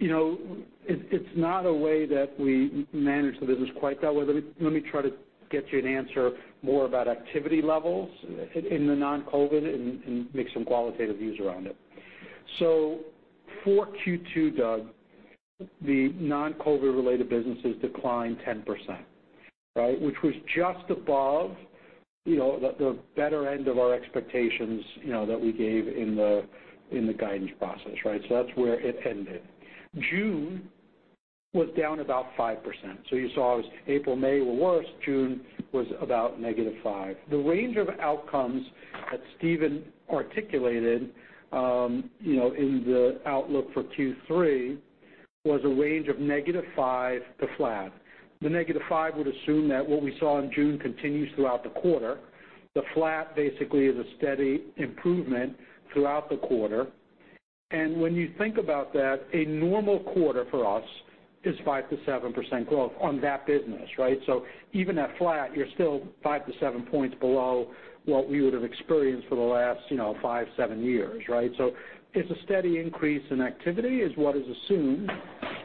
It's not a way that we manage the business quite that way. Let me try to get you an answer more about activity levels in the non-COVID and make some qualitative views around it. For Q2, Doug, the non-COVID related businesses declined 10%, right? Which was just above the better end of our expectations that we gave in the guidance process, right? That's where it ended. June was down about five%. You saw it was April, May were worse, June was about negative five. The range of outcomes that Stephen articulated in the outlook for Q3 was a range of negative five to flat. The negative five would assume that what we saw in June continues throughout the quarter. The flat basically is a steady improvement throughout the quarter. when you think about that, a normal quarter for us is 5% to 7% growth on that business, right? even at flat, you're still five to seven points below what we would have experienced for the last five, seven years, right? it's a steady increase in activity, is what is assumed,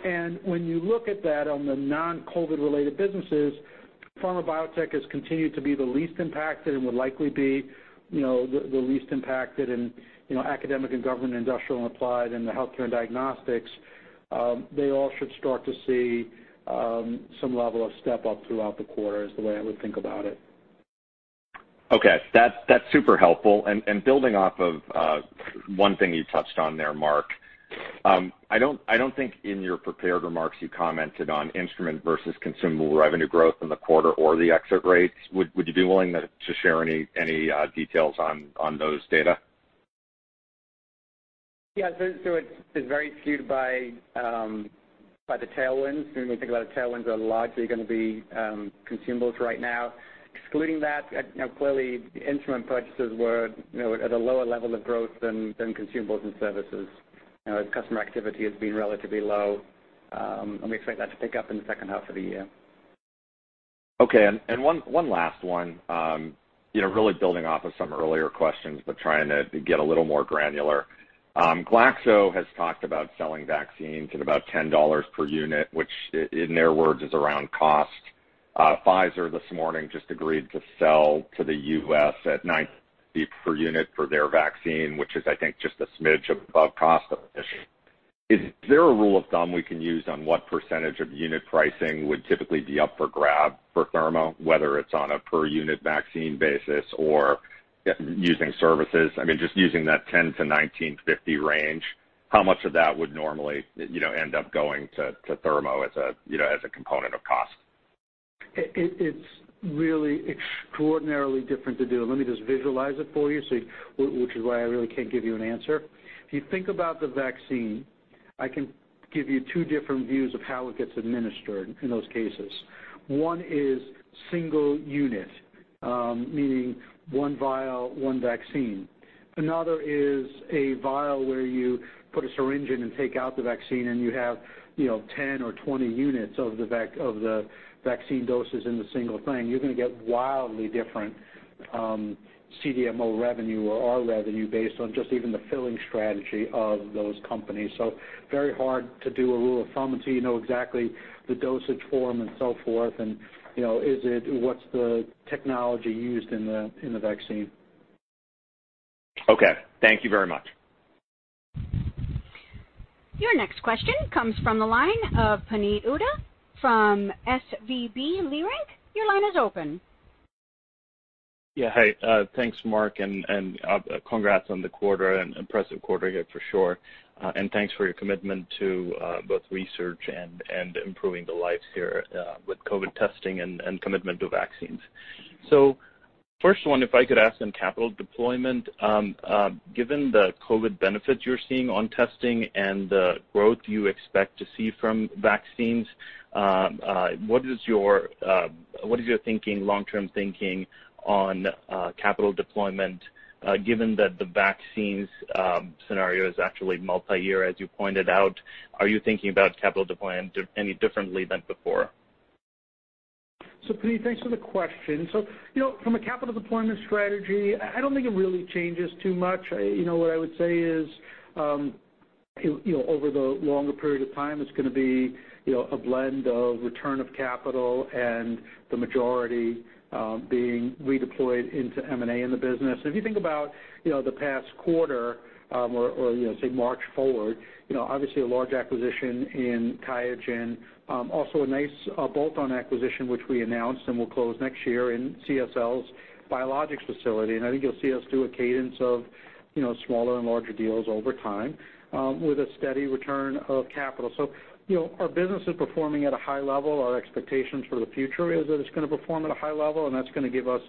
and when you look at that on the non-COVID related businesses, pharma biotech has continued to be the least impacted and will likely be the least impacted in academic and government, industrial and applied in the healthcare and diagnostics. They all should start to see some level of step-up throughout the quarter, is the way I would think about it. Okay. That's super helpful. Building off of one thing you touched on there, Marc. I don't think in your prepared remarks you commented on instrument versus consumable revenue growth in the quarter or the exit rates. Would you be willing to share any details on those data? Yeah. it's very skewed by the tailwinds. When we think about it, tailwinds are largely going to be consumables right now. Excluding that, clearly instrument purchases were at a lower level of growth than consumables and services, as customer activity has been relatively low. we expect that to pick up in the second half of the year. Okay. One last one. Really building off of some earlier questions, but trying to get a little more granular. GlaxoSmithKline has talked about selling vaccines at about $10 per unit, which, in their words, is around cost. Pfizer this morning just agreed to sell to the U.S. at $19 per unit for their vaccine, which is, I think, just a smidge above cost. Is there a rule of thumb we can use on what % of unit pricing would typically be up for grab for Thermo, whether it's on a per unit vaccine basis or using services? Just using that $10 to $19.50 range, how much of that would normally end up going to Thermo as a component of cost? It's really extraordinarily different to do. Let me just visualize it for you, which is why I really can't give you an answer. If you think about the vaccine, I can give you two different views of how it gets administered in those cases. One is single unit, meaning one vial, one vaccine. Another is a vial where you put a syringe in and take out the vaccine, and you have 10 or 20 units of the vaccine doses in the single thing. You're going to get wildly different CDMO revenue or our revenue based on just even the filling strategy of those companies. Very hard to do a rule of thumb until you know exactly the dosage form and so forth, and what's the technology used in the vaccine. Okay. Thank you very much. Your next question comes from the line of Puneet Souda from SVB Leerink. Your line is open. Yeah. Hi. Thanks, Marc, and congrats on the quarter. An impressive quarter here for sure. Thanks for your commitment to both research and improving the lives here, with COVID testing and commitment to vaccines. First one, if I could ask on capital deployment. Given the COVID benefits you're seeing on testing and the growth you expect to see from vaccines, what is your long-term thinking on capital deployment, given that the vaccines scenario is actually multi-year, as you pointed out? Are you thinking about capital deployment any differently than before? Puneet, thanks for the question. From a capital deployment strategy, I don't think it really changes too much. What I would say is, over the longer period of time, it's going to be a blend of return of capital and the majority being redeployed into M&A in the business. If you think about the past quarter, or say March forward, obviously a large acquisition in QIAGEN. Also a nice bolt-on acquisition, which we announced and will close next year in CSL's biologics facility. I think you'll see us do a cadence of smaller and larger deals over time, with a steady return of capital. Our business is performing at a high level. Our expectations for the future is that it's going to perform at a high level, and that's going to give us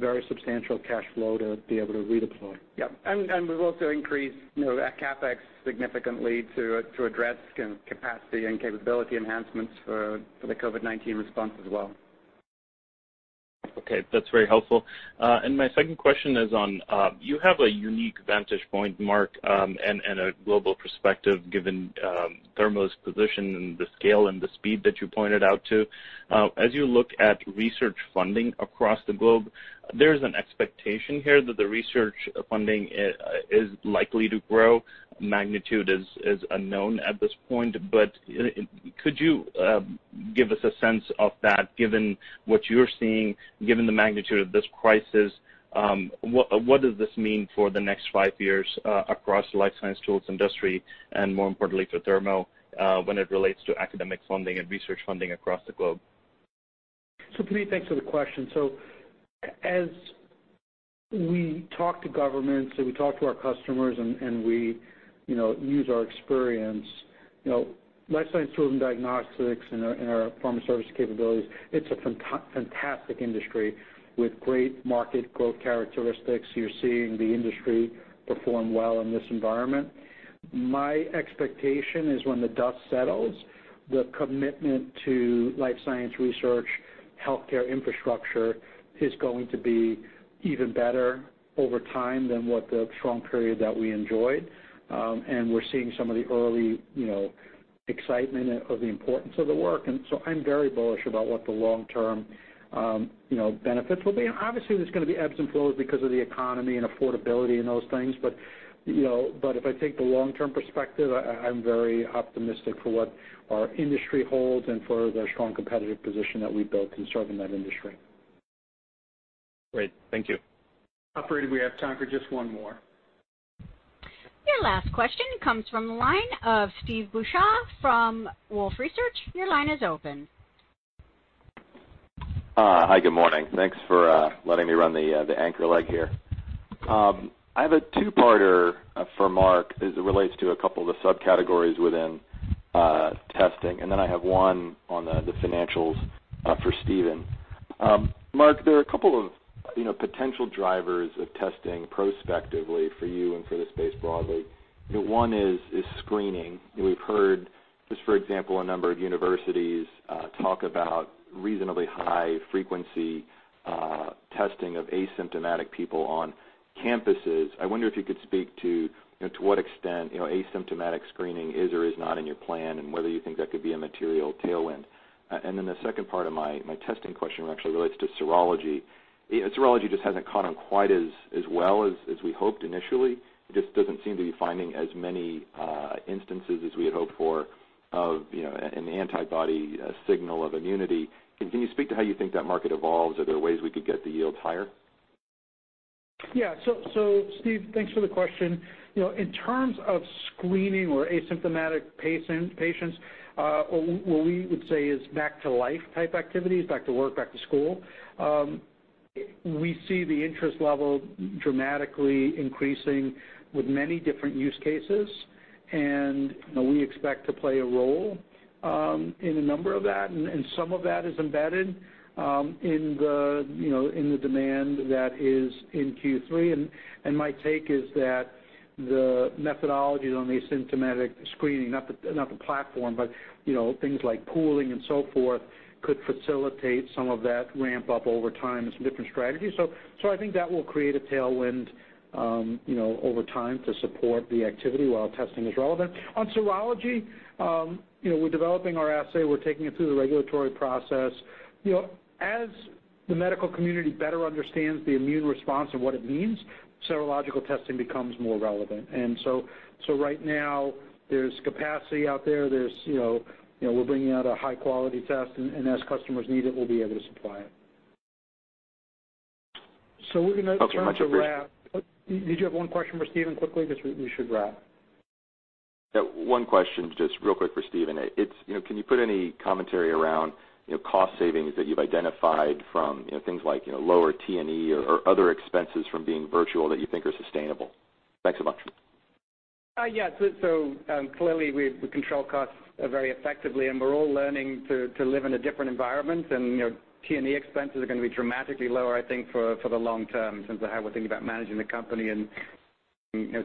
very substantial cash flow to be able to redeploy. Yeah. we've also increased our CapEx significantly to address capacity and capability enhancements for the COVID-19 response as well. Okay, that's very helpful. My second question is on, you have a unique vantage point, Marc, and a global perspective given Thermo's position and the scale and the speed that you pointed out too. As you look at research funding across the globe, there's an expectation here that the research funding is likely to grow. Magnitude is unknown at this point, but could you give us a sense of that, given what you're seeing, given the magnitude of this crisis? What does this mean for the next five years across the life science tools industry, and more importantly for Thermo, when it relates to academic funding and research funding across the globe? So Puneet, thanks for the question. As we talk to governments and we talk to our customers and we use our experience, life science tools and diagnostics and our pharma service capabilities, it's a fantastic industry with great market growth characteristics. You're seeing the industry perform well in this environment. My expectation is when the dust settles, the commitment to life science research, healthcare infrastructure, is going to be even better over time than what the strong period that we enjoyed. We're seeing some of the early excitement of the importance of the work, and so I'm very bullish about what the long-term benefits will be. Obviously, there's going to be ebbs and flows because of the economy and affordability and those things. If I take the long-term perspective, I'm very optimistic for what our industry holds and for the strong competitive position that we've built in serving that industry. Great. Thank you. Operator, we have time for just one more. Your last question comes from the line of Steve Beuchaw from Wolfe Research. Your line is open. Hi, good morning. Thanks for letting me run the anchor leg here. I have a two-parter for Marc as it relates to a couple of the subcategories within testing, and then I have one on the financials for Stephen. Marc, there are a couple of potential drivers of testing prospectively for you and for the space broadly. One is screening. We've heard just, for example, a number of universities talk about reasonably high-frequency testing of asymptomatic people on campuses. I wonder if you could speak to what extent asymptomatic screening is or is not in your plan, and whether you think that could be a material tailwind. The second part of my testing question actually relates to serology. Serology just hasn't caught on quite as well as we hoped initially. It just doesn't seem to be finding as many instances as we had hoped for of an antibody signal of immunity. Can you speak to how you think that market evolves? Are there ways we could get the yields higher? Yeah. Steve, thanks for the question. In terms of screening or asymptomatic patients, what we would say is back to life type activities, back to work, back to school, we see the interest level dramatically increasing with many different use cases, and we expect to play a role in a number of that, and some of that is embedded in the demand that is in Q3. My take is that the methodologies on the asymptomatic screening, not the platform, but things like pooling and so forth, could facilitate some of that ramp up over time and some different strategies. I think that will create a tailwind over time to support the activity while testing is relevant. On serology, we're developing our assay. We're taking it through the regulatory process. As the medical community better understands the immune response and what it means, serological testing becomes more relevant. Right now, there's capacity out there. We're bringing out a high-quality test, and as customers need it, we'll be able to supply it. We're going to wrap. Thanks so much, appreciate it. Did you have one question for Stephen quickly? Because we should wrap. Yeah. One question, just real quick for Stephen. Can you put any commentary around cost savings that you've identified from things like lower T&E or other expenses from being virtual that you think are sustainable? Thanks a bunch. Yeah. Clearly we control costs very effectively, and we're all learning to live in a different environment and T&E expenses are going to be dramatically lower, I think, for the long term in terms of how we're thinking about managing the company and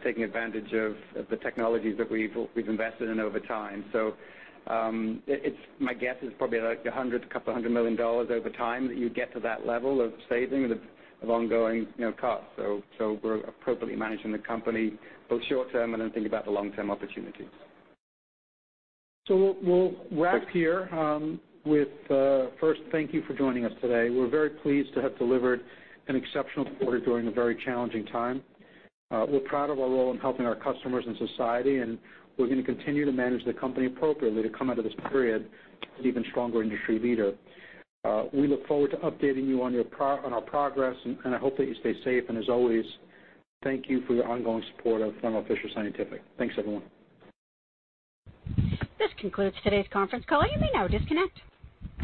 taking advantage of the technologies that we've invested in over time. My guess is probably like $200 million over time that you get to that level of saving of ongoing costs. We're appropriately managing the company both short term and then thinking about the long-term opportunities. We'll wrap here with first, thank you for joining us today. We're very pleased to have delivered an exceptional quarter during a very challenging time. We're proud of our role in helping our customers and society, and we're going to continue to manage the company appropriately to come out of this period an even stronger industry leader. We look forward to updating you on our progress, and I hope that you stay safe. As always, thank you for your ongoing support of Thermo Fisher Scientific. Thanks, everyone. This concludes today's conference call. You may now disconnect.